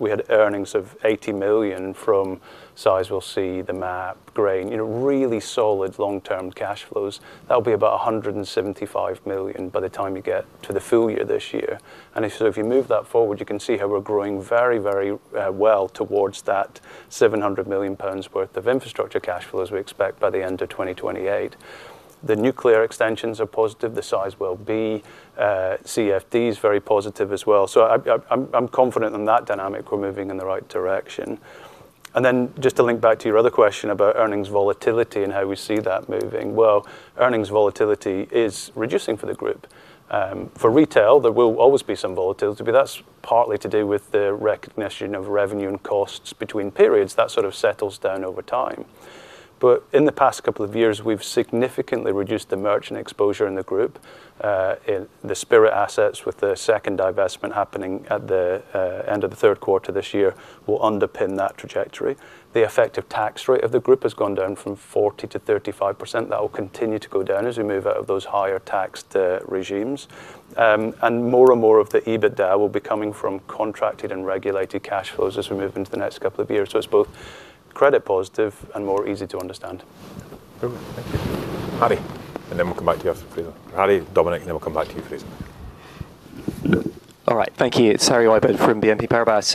[SPEAKER 2] we had earnings of 80 million from Sizewell C, the MAP, Grain. Really solid long-term cash flows. That'll be about 175 million by the time you get to the full year this year. If you move that forward, you can see how we're growing very well towards that 700 million pounds worth of infrastructure cash flow as we expect by the end of 2028. The nuclear extensions are positive. The Sizewell B CFD is very positive as well. I'm confident on that dynamic we're moving in the right direction. Then just to link back to your other question about earnings volatility and how we see that moving. Earnings volatility is reducing for the group. For Retail, there will always be some volatility, but that's partly to do with the recognition of revenue and costs between periods. That sort of settles down over time. In the past couple of years, we've significantly reduced the merchant exposure in the group. The Spirit assets with the second divestment happening at the end of the third quarter this year will underpin that trajectory. The effective tax rate of the group has gone down from 40%-35%. That will continue to go down as we move out of those higher taxed regimes. More and more of the EBITDA will be coming from contracted and regulated cash flows as we move into the next couple of years. It's both credit positive and more easy to understand.
[SPEAKER 1] Okay. Thank you. Harry, and then we'll come back to you after Harry. Harry, Dominic, and then we'll come back to you, Fraser.
[SPEAKER 7] All right. Thank you. It's Harry Wyburd from BNP Paribas.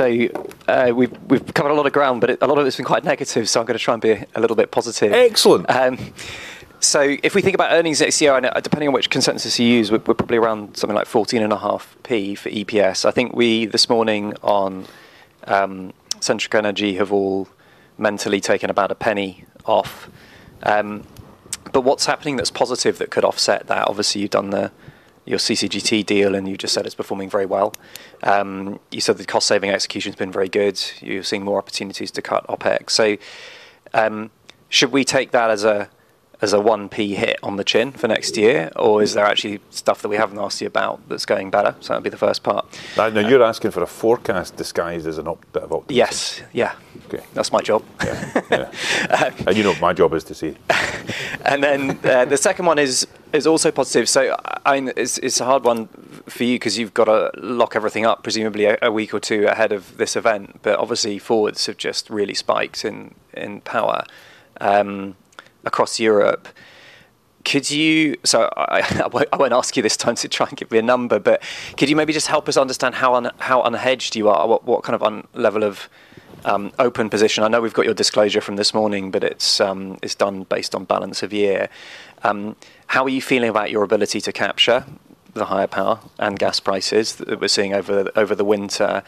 [SPEAKER 7] We've covered a lot of ground, but a lot of it's been quite negative, so I'm going to try and be a little bit positive.
[SPEAKER 1] Excellent.
[SPEAKER 7] If we think about earnings next year, and depending on which consensus you use, we're probably around something like 14.5p for EPS. I think we, this morning on Centrica Energy, have all mentally taken about GBP 0.01 off. What's happening that's positive that could offset that? Obviously, you've done your CCGT deal, and you just said it's performing very well. You said the cost-saving execution's been very good. You're seeing more opportunities to cut OpEx. Should we take that as a 1p hit on the chin for next year? Or is there actually stuff that we haven't asked you about that's going better? That'd be the first part.
[SPEAKER 1] I know you're asking for a forecast disguised as a bit of optimism.
[SPEAKER 7] Yes. Yeah.
[SPEAKER 1] Okay.
[SPEAKER 7] That's my job.
[SPEAKER 1] Yeah. You know my job is to see.
[SPEAKER 7] The second one is also positive. It's a hard one for you because you've got to lock everything up, presumably a week or two ahead of this event. Forwards have just really spiked in power across Europe. I won't ask you this time to try and give me a number, but could you maybe just help us understand how unhedged you are? What kind of level of open position? I know we've got your disclosure from this morning, but it's done based on balance of year. How are you feeling about your ability to capture the higher power and gas prices that we're seeing over the winter?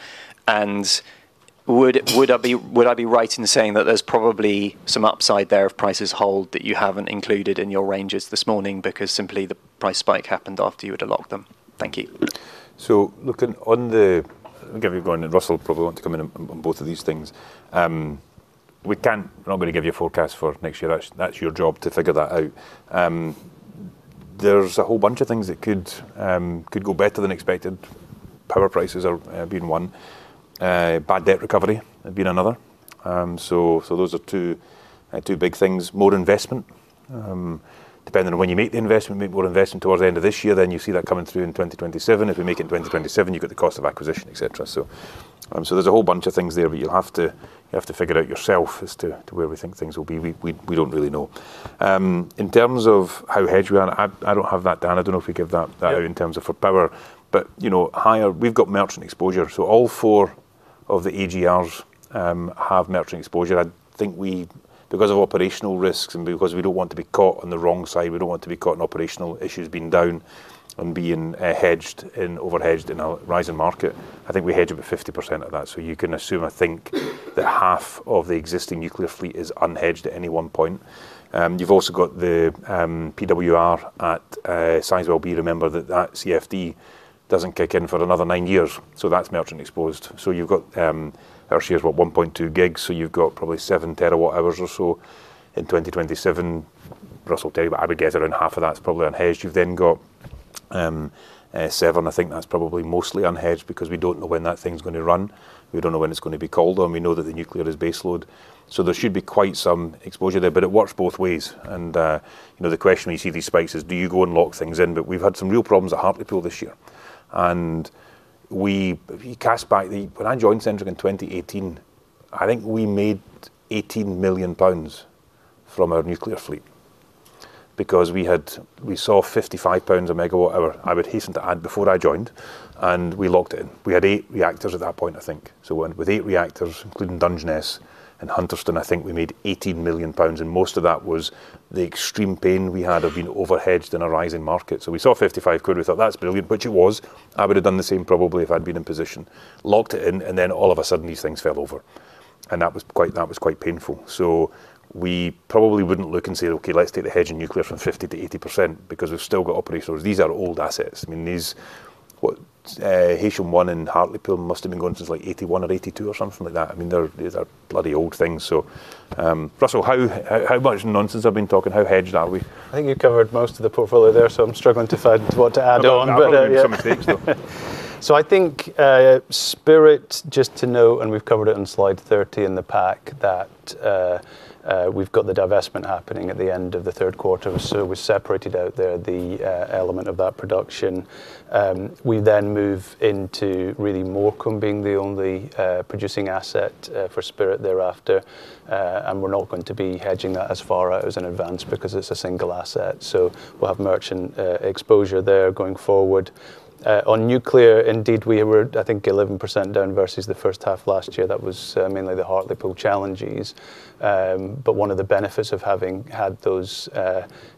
[SPEAKER 7] Would I be right in saying that there's probably some upside there if prices hold that you haven't included in your ranges this morning because simply the price spike happened after you would have locked them? Thank you.
[SPEAKER 1] Look, I'll give you one, and Russell will probably want to come in on both of these things. We're not going to give you a forecast for next year. That's your job to figure that out. There's a whole bunch of things that could go better than expected. Power prices have been one. Bad debt recovery has been another. Those are two big things. More investment. Depending on when you make the investment, maybe more investment towards the end of this year, then you see that coming through in 2027. If we make it in 2027, you've got the cost of acquisition, et cetera. There's a whole bunch of things there, but you'll have to figure out yourself as to where we think things will be. We don't really know. In terms of how hedged we are, I don't have that down. I don't know if we give that out in terms of for power. We've got merchant exposure. All four of the AGRs have merchant exposure. I think because of operational risks and because we don't want to be caught on the wrong side, we don't want to be caught on operational issues being down and being hedged and over-hedged in a rising market, I think we hedge about 50% of that. You can assume, I think, that half of the existing nuclear fleet is unhedged at any one point. You've also got the PWR at Sizewell B. Remember that CFD doesn't kick in for another nine years, that's merchant exposed. You've got our shares, what, 1.2 gigs? You've got probably seven terawatt-hours or so in 2027. Russell will tell you, but I would gather around half of that's probably unhedged. You've then got Severn. I think that's probably mostly unhedged because we don't know when that thing's going to run. We don't know when it's going to be called on. We know that the nuclear is base load. There should be quite some exposure there, but it works both ways. The question when you see these spikes is do you go and lock things in? We've had some real problems at Hartlepool this year. If you cast back, when I joined Centrica in 2018, I think we made 18 million pounds from our nuclear fleet because we saw 55 pounds a MW hour, I would hasten to add, before I joined, and we locked it in. We had eight reactors at that point, I think. With eight reactors, including Dungeness and Hunterston, I think we made 18 million pounds, most of that was the extreme pain we had of being over-hedged in a rising market. We saw 55 quid, we thought, "That's brilliant," which it was. I would've done the same probably if I'd been in position. Locked it in, then all of a sudden, these things fell over. That was quite painful. We probably wouldn't look and say, "Okay, let's take the hedge in nuclear from 50%-80%," because we've still got operational. These are old assets. I mean, Heysham 1 and Hartlepool must have been going since like 1981 or 1982 or something like that. I mean, these are bloody old things. Russell, how much nonsense I've been talking? How hedged are we?
[SPEAKER 2] I think you covered most of the portfolio there, I'm struggling to find what to add on.
[SPEAKER 1] I made some mistakes, though.
[SPEAKER 2] I think Spirit, just to note, and we've covered it on slide 30 in the pack, that we've got the divestment happening at the end of the third quarter. We separated out there the element of that production. We then move into really Morecambe being the only producing asset for Spirit thereafter. We're not going to be hedging that as far out in advance because it's a single asset. We'll have merchant exposure there going forward. On nuclear, indeed, we were, I think, 11% down versus the first half of last year. That was mainly the Hartlepool challenges. One of the benefits of having had those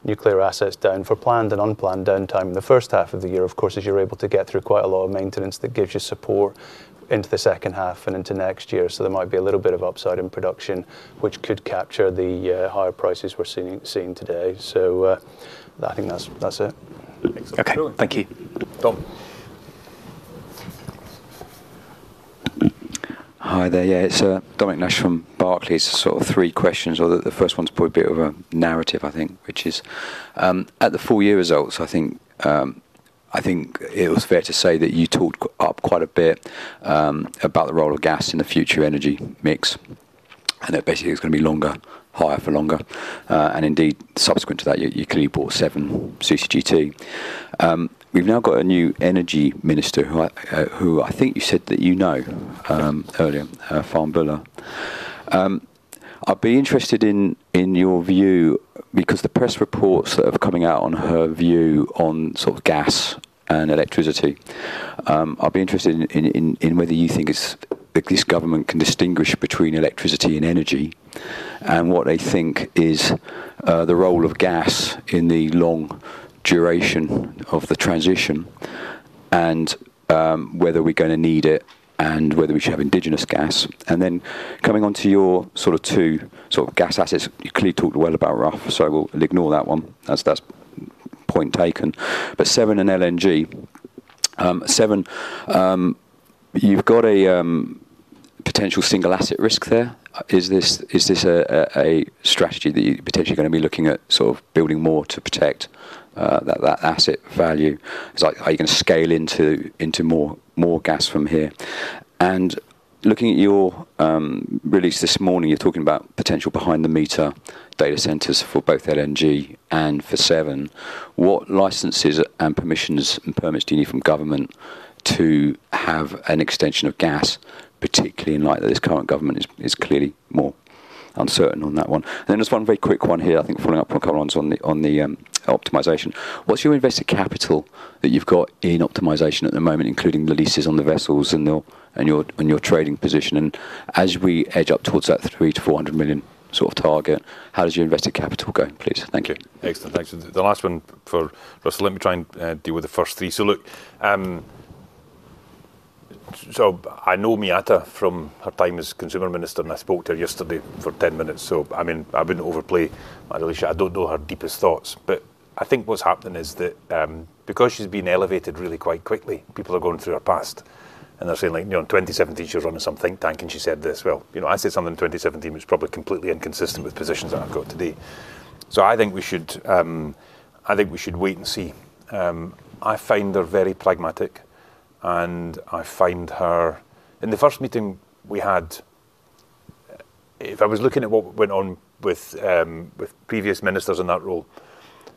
[SPEAKER 2] nuclear assets down for planned and unplanned downtime in the first half of the year, of course, is you're able to get through quite a lot of maintenance that gives you support into the second half and into next year. There might be a little bit of upside in production, which could capture the higher prices we're seeing today. I think that's it.
[SPEAKER 1] Excellent.
[SPEAKER 2] Okay. Thank you.
[SPEAKER 1] Dom.
[SPEAKER 8] Hi there. Yeah, it's Dominic Nash from Barclays. Sort of three questions. The first one's probably a bit of a narrative, I think, which is at the full year results, I think it was fair to say that you talked up quite a bit about the role of gas in the future energy mix, and that basically it was going to be higher for longer. Indeed, subsequent to that, you clearly bought Severn CCGT. We've now got a new energy minister who I think you said that you know earlier, Fahnbulleh. I'd be interested in your view, because the press reports that have coming out on her view on gas and electricity, I'd be interested in whether you think this government can distinguish between electricity and energy and what they think is the role of gas in the long duration of the transition and whether we're going to need it and whether we should have indigenous gas. Coming onto your two gas assets. You clearly talked well about Rough, I will ignore that one. That's point taken. Severn and LNG. Severn, you've got a potential single asset risk there. Is this a strategy that you're potentially going to be looking at building more to protect that asset value? Are you going to scale into more gas from here? Looking at your release this morning, you're talking about potential behind the meter data centers for both LNG and for Severn. What licenses and permissions and permits do you need from government to have an extension of gas, particularly in light that this current government is clearly more uncertain on that one? There's one very quick one here, I think following up on Connor on the optimization. What's your invested capital that you've got in optimization at the moment, including the leases on the vessels and your trading position? As we edge up towards that 300 million-400 million target, how does your invested capital go, please? Thank you.
[SPEAKER 1] Excellent. Thanks. The last one for Russell. Let me try and deal with the first three. Look, I know Miatta from her time as consumer minister, and I spoke to her yesterday for 10 minutes. I wouldn't overplay my relationship. I don't know her deepest thoughts, I think what's happening is that because she's been elevated really quite quickly, people are going through her past, and they're saying like, "In 2017, she was running some think tank, and she said this." Well, I said something in 2017, which is probably completely inconsistent with positions that I've got today. I think we should wait and see. I find her very pragmatic, and I find her. In the first meeting we had, if I was looking at what went on with previous ministers in that role,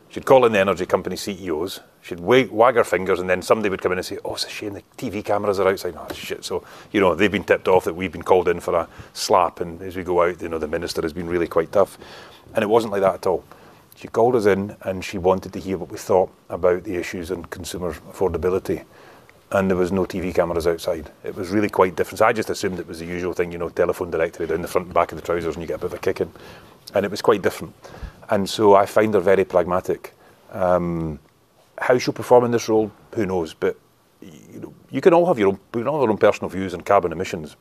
[SPEAKER 1] she'd call in the energy company CEOs, she'd wag her fingers, somebody would come in and say, "Oh, is she in. The TV cameras are outside. sheet so" They've been tipped off that we've been called in for a slap, and as we go out the minister has been really quite tough. It wasn't like that at all. She called us in, and she wanted to hear what we thought about the issues and consumer affordability. There was no TV cameras outside. It was really quite different. I just assumed it was the usual thing, telephone directory down the front and back of the trousers, and you get a bit of a kicking, and it was quite different. I find her very pragmatic. How she'll perform in this role, who knows? We can all have our own personal views on carbon emissions,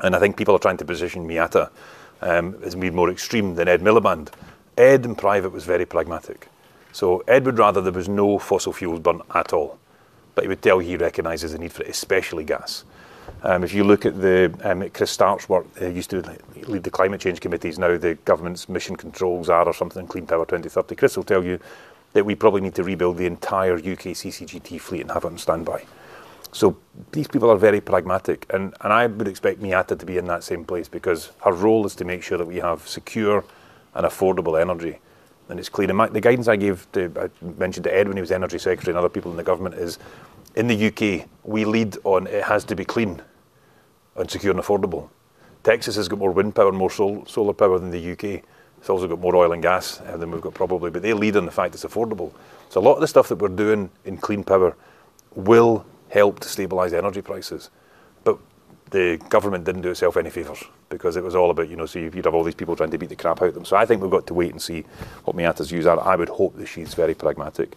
[SPEAKER 1] and I think people are trying to position Miatta as being more extreme than Ed Miliband. Ed, in private, was very pragmatic. Ed would rather there was no fossil fuel burnt at all. He would tell you he recognizes the need for it, especially gas. If you look at Chris Stark's work, he used to lead the Climate Change Committee. Now the government's mission control are or something Clean Power 2030. Chris will tell you that we probably need to rebuild the entire U.K. CCGT fleet and have it on standby. These people are very pragmatic, and I would expect Miatta to be in that same place because her role is to make sure that we have secure and affordable energy, and it's clean. The guidance I gave to, I mentioned to Ed when he was energy secretary and other people in the government is, in the U.K., we lead on it has to be clean and secure and affordable. Texas has got more wind power and more solar power than the U.K. It's also got more oil and gas than we've got probably. They lead on the fact it's affordable. A lot of the stuff that we're doing in clean power will help to stabilize the energy prices. The government didn't do itself any favors because it was all about. You'd have all these people trying to beat the crap out of them. I think we've got to wait and see what Miatta's views are. I would hope that she's very pragmatic.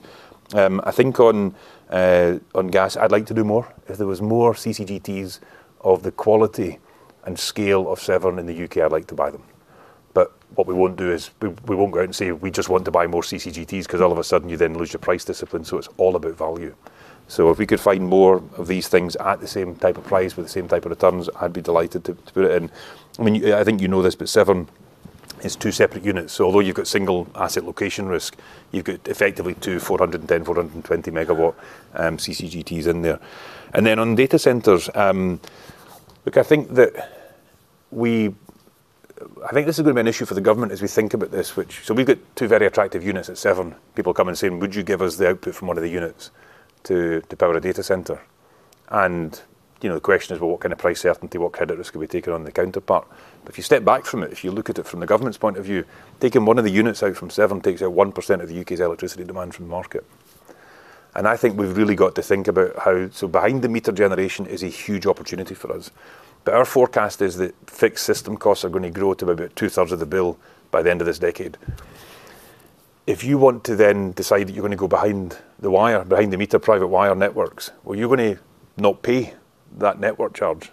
[SPEAKER 1] I think on gas, I'd like to do more. If there was more CCGTs of the quality and scale of Severn in the U.K., I'd like to buy them. What we won't do is we won't go out and say we just want to buy more CCGTs because all of a sudden you then lose your price discipline. It's all about value. If we could find more of these things at the same type of price with the same type of returns, I'd be delighted to put it in. I think you know this, but Severn is two separate units. Although you've got single asset location risk, you've got effectively two 410, 420 MW CCGTs in there. Then on data centers, look, I think this is going to be an issue for the government as we think about this which. We've got two very attractive units at Severn. People come and say, "Would you give us the output from one of the units to power a data center?" The question is, well, what kind of price certainty, what credit risk are we taking on the counterpart? If you step back from it, if you look at it from the government's point of view, taking one of the units out from Severn takes out 1% of the U.K.'s electricity demand from the market. I think we've really got to think about how. Behind the meter generation is a huge opportunity for us. Our forecast is that fixed system costs are going to grow to about two-thirds of the bill by the end of this decade. If you want to then decide that you're going to go behind the wire, behind the meter private wire networks, you're going to not pay that network charge.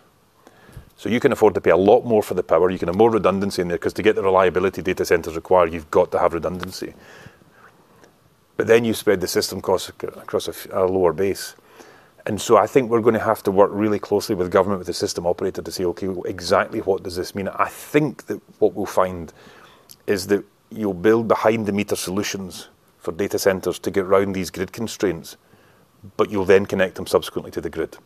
[SPEAKER 1] You can afford to pay a lot more for the power. You can have more redundancy in there because to get the reliability data centers require, you've got to have redundancy. You spread the system cost across a lower base. I think we're going to have to work really closely with government, with the system operator to say, "Okay, exactly what does this mean?" I think that what we'll find is that you'll build behind-the-meter solutions for data centers to get around these grid constraints, you'll then connect them subsequently to the grid.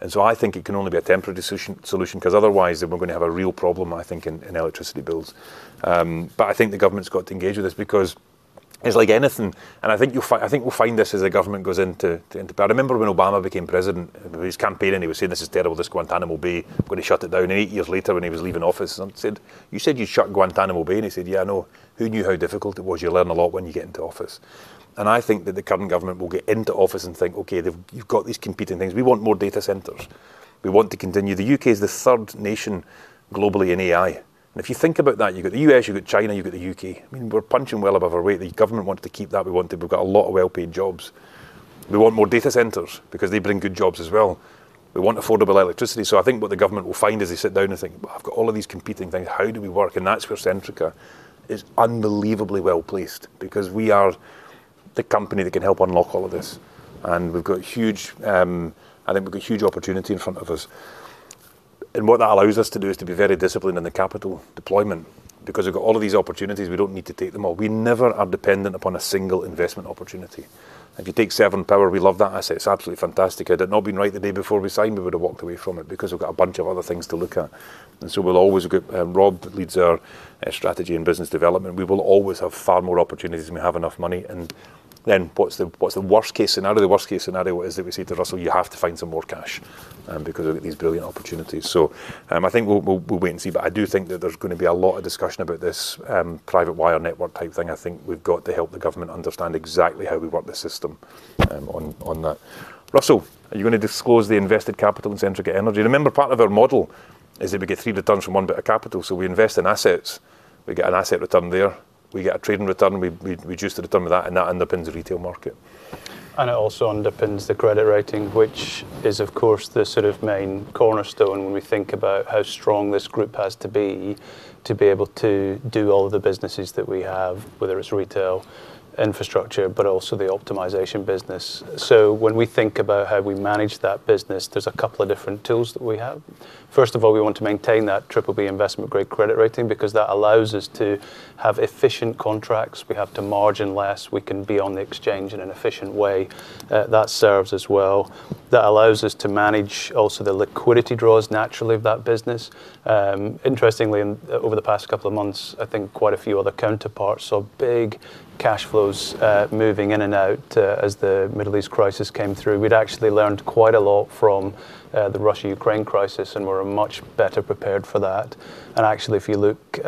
[SPEAKER 1] I think it can only be a temporary solution, because otherwise we're going to have a real problem, I think, in electricity bills. I think the government's got to engage with this because it's like anything, and I think we'll find this as the government goes into power. I remember when Obama became president, his campaign, and he was saying, "This is terrible, this Guantanamo Bay. I'm going to shut it down." Eight years later, when he was leaving office, someone said, "You said you'd shut Guantanamo Bay." He said, "Yeah, I know. Who knew how difficult it was? You learn a lot when you get into office." I think that the current government will get into office and think, "Okay, you've got these competing things. We want more data centers. We want to continue." The U.K. is the third nation globally in AI. If you think about that, you've got the U.S., you've got China, you've got the U.K. We're punching well above our weight. The government wanted to keep that. We've got a lot of well-paid jobs. We want more data centers because they bring good jobs as well. We want affordable electricity. I think what the government will find as they sit down and think, "I've got all of these competing things. How do we work?" That's where Centrica is unbelievably well-placed because we are the company that can help unlock all of this. We've got huge opportunity in front of us. What that allows us to do is to be very disciplined in the capital deployment, because we've got all of these opportunities, we don't need to take them all. We never are dependent upon a single investment opportunity. If you take Severn Power, we love that asset. It's absolutely fantastic. Had it not been right the day before we signed, we would have walked away from it because we've got a bunch of other things to look at. Rob leads our strategy and business development. We will always have far more opportunities than we have enough money. What's the worst case scenario? The worst case scenario is that we say to Russell, "You have to find some more cash because we've got these brilliant opportunities." I think we'll wait and see, but I do think that there's going to be a lot of discussion about this private wire network type thing. I think we've got to help the government understand exactly how we work the system on that. Russell, are you going to disclose the invested capital in Centrica Energy? Remember, part of our model is that we get three returns from one bit of capital. We invest in assets, we get an asset return there, we get a trading return, we reduce the return with that, and that underpins the Retail market.
[SPEAKER 2] It also underpins the credit rating, which is, of course, the sort of main cornerstone when we think about how strong this group has to be to be able to do all of the businesses that we have, whether it's Retail infrastructure, but also the optimization business. When we think about how we manage that business, there's a couple of different tools that we have. First of all, we want to maintain that BBB investment grade credit rating because that allows us to have efficient contracts. We have to margin less. We can be on the exchange in an efficient way. That serves as well. That allows us to manage also the liquidity draws naturally of that business. Interestingly, over the past couple of months, I think quite a few other counterparts saw big cash flows moving in and out as the Middle East crisis came through. We'd actually learned quite a lot from the Russia-Ukraine crisis, and we're much better prepared for that. Actually, if you look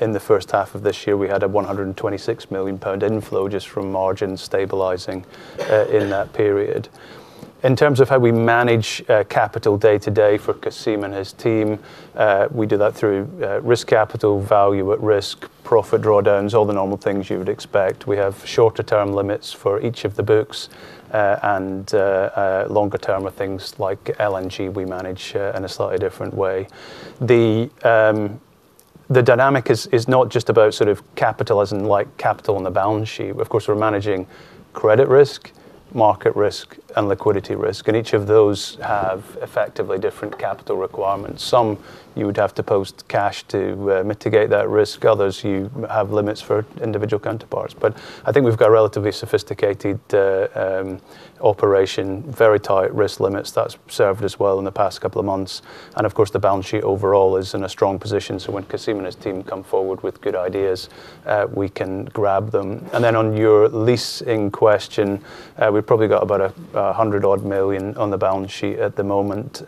[SPEAKER 2] in the first half of this year, we had a 126 million pound inflow just from margin stabilizing in that period. In terms of how we manage capital day to day for Cassim and his team, we do that through risk capital, value at risk, profit drawdowns, all the normal things you would expect. We have shorter-term limits for each of the books, and longer term are things like LNG we manage in a slightly different way. The dynamic is not just about sort of capital as in like capital on the balance sheet. We're managing credit risk, market risk, and liquidity risk, and each of those have effectively different capital requirements. Some you would have to post cash to mitigate that risk. Others, you have limits for individual counterparts. I think we've got a relatively sophisticated operation, very tight risk limits that's served us well in the past couple of months. The balance sheet overall is in a strong position, so when Cassim and his team come forward with good ideas, we can grab them. On your leasing question, we've probably got about 100 odd million on the balance sheet at the moment.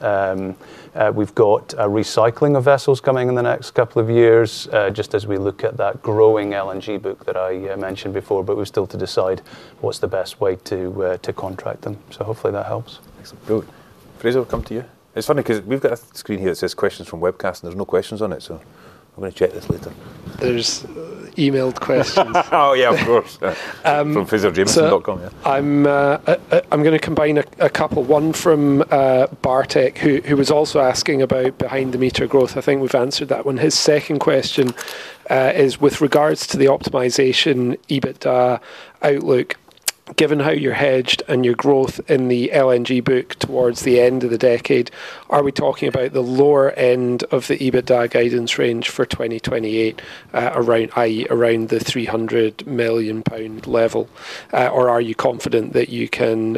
[SPEAKER 2] We've got a recycling of vessels coming in the next couple of years, just as we look at that growing LNG book that I mentioned before, but we're still to decide what's the best way to contract them. Hopefully that helps.
[SPEAKER 1] Excellent. Brilliant. Fraser, we'll come to you. It's funny because we've got a screen here that says questions from webcast, and there's no questions on it, so I'm going to check this later.
[SPEAKER 3] There's emailed questions.
[SPEAKER 1] Yeah, of course. From fraserjamieson.com, yeah.
[SPEAKER 3] I'm going to combine a couple. One from Bartek, who was also asking about behind the meter growth. I think we've answered that one. His second question is with regards to the optimization EBITDA outlook. Given how you're hedged and your growth in the LNG book towards the end of the decade, are we talking about the lower end of the EBITDA guidance range for 2028, i.e., around the GBP 300 million level? Are you confident that you can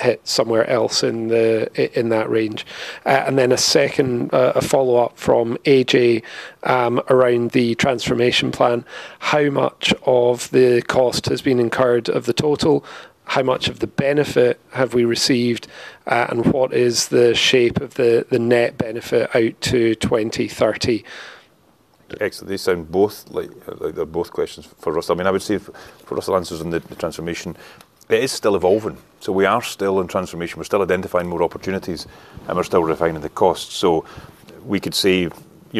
[SPEAKER 3] hit somewhere else in that range? A second follow-up from AJ around the transformation plan. How much of the cost has been incurred of the total? How much of the benefit have we received? What is the shape of the net benefit out to 2030?
[SPEAKER 1] Excellent. These sound like they are both questions for Russell. I would say, for Russell answers on the transformation, it is still evolving. We are still in transformation. We are still identifying more opportunities, and we are still refining the cost. We could say,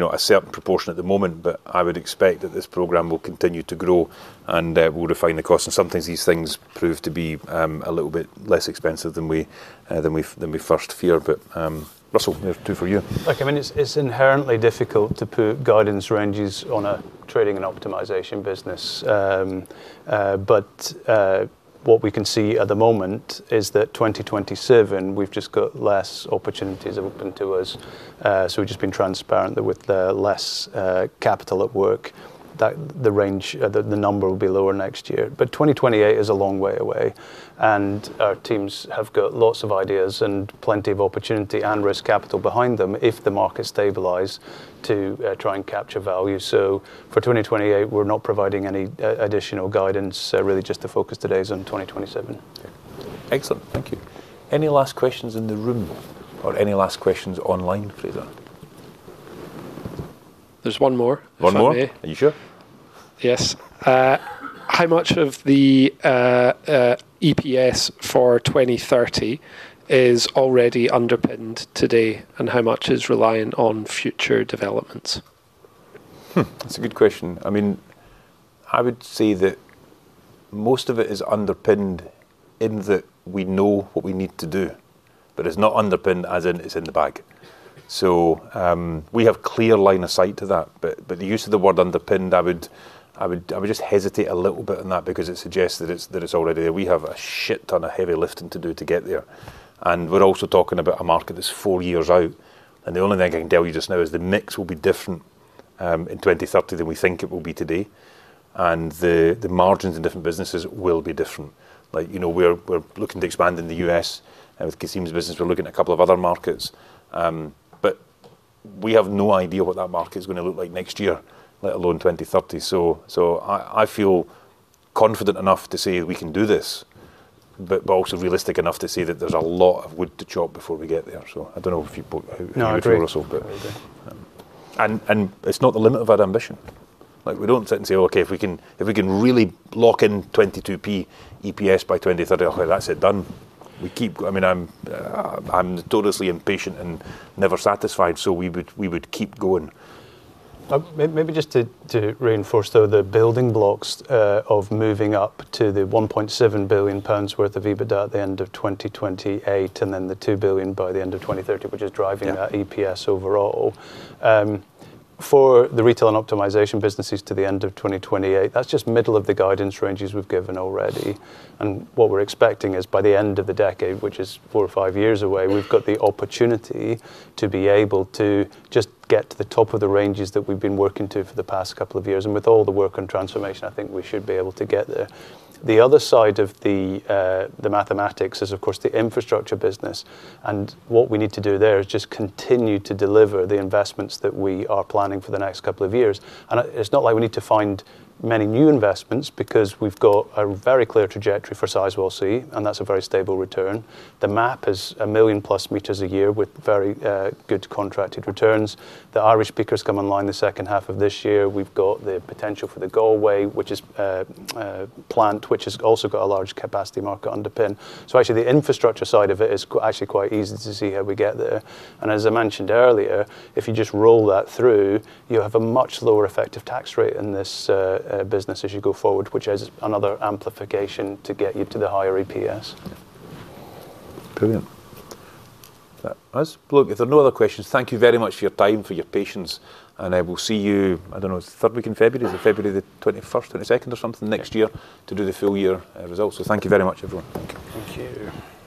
[SPEAKER 1] a certain proportion at the moment, but I would expect that this program will continue to grow and we will refine the cost. Sometimes these things prove to be a little bit less expensive than we first fear. Russell, two for you.
[SPEAKER 2] Look, it is inherently difficult to put guidance ranges on a trading and optimization business. What we can see at the moment is that 2027, we have just got less opportunities open to us. We have just been transparent that with the less capital at work, that the range, the number will be lower next year. 2028 is a long way away, and our teams have got lots of ideas and plenty of opportunity and risk capital behind them if the market stabilize to try and capture value. For 2028, we are not providing any additional guidance, really just the focus today is on 2027.
[SPEAKER 1] Excellent. Thank you. Any last questions in the room or any last questions online, Fraser?
[SPEAKER 3] There is one more.
[SPEAKER 1] One more? Are you sure?
[SPEAKER 3] Yes. How much of the EPS for 2030 is already underpinned today, and how much is reliant on future developments?
[SPEAKER 1] That's a good question. I would say that most of it is underpinned in that we know what we need to do, but it's not underpinned as in it's in the bag. We have clear line of sight to that, but the use of the word underpinned, I would just hesitate a little bit on that because it suggests that it's already there. We have a shetton of heavy lifting to do to get there, and we're also talking about a market that's four years out. The only thing I can tell you just now is the mix will be different, in 2030 than we think it will be today. The margins in different businesses will be different. We're looking to expand in the U.S. with Kasim's business. We're looking at a couple of other markets. We have no idea what that market is going to look like next year, let alone 2030. I feel confident enough to say that we can do this, but also realistic enough to say that there's a lot of wood to chop before we get there. I don't know if you brought.
[SPEAKER 2] No, I agree.
[SPEAKER 1] Russell, it's not the limit of our ambition. We don't sit and say, "Okay, if we can really lock in 0.22 EPS by 2030, okay, that's it, done." I'm notoriously impatient and never satisfied. We would keep going.
[SPEAKER 2] Maybe just to reinforce, though, the building blocks of moving up to the 1.7 billion pounds worth of EBITDA at the end of 2028. The 2 billion by the end of 2030.
[SPEAKER 1] Yeah.
[SPEAKER 2] That EPS overall. For the Retail and optimization businesses to the end of 2028, that's just middle of the guidance ranges we've given already. What we're expecting is by the end of the decade, which is four or five years away, we've got the opportunity to be able to just get to the top of the ranges that we've been working to for the past couple of years. With all the work on transformation, I think we should be able to get there. The other side of the mathematics is of course, the infrastructure business. What we need to do there is just continue to deliver the investments that we are planning for the next couple of years. It's not like we need to find many new investments because we've got a very clear trajectory for Sizewell C, and that's a very stable return. The MAP is a million-plus meters a year with very good contracted returns. The Irish peakers come online the second half of this year. We've got the potential for the Galway, which is plant, which has also got a large capacity market underpin. Actually, the infrastructure side of it is actually quite easy to see how we get there. As I mentioned earlier, if you just roll that through, you have a much lower effective tax rate in this business as you go forward, which is another amplification to get you to the higher EPS.
[SPEAKER 1] Brilliant. Look, if there are no other questions, thank you very much for your time, for your patience. I will see you, I don't know, it's the third week in February? Is it February the 21st, 22nd or something next year to do the full-year results. Thank you very much, everyone. Thank you.
[SPEAKER 2] Thank you.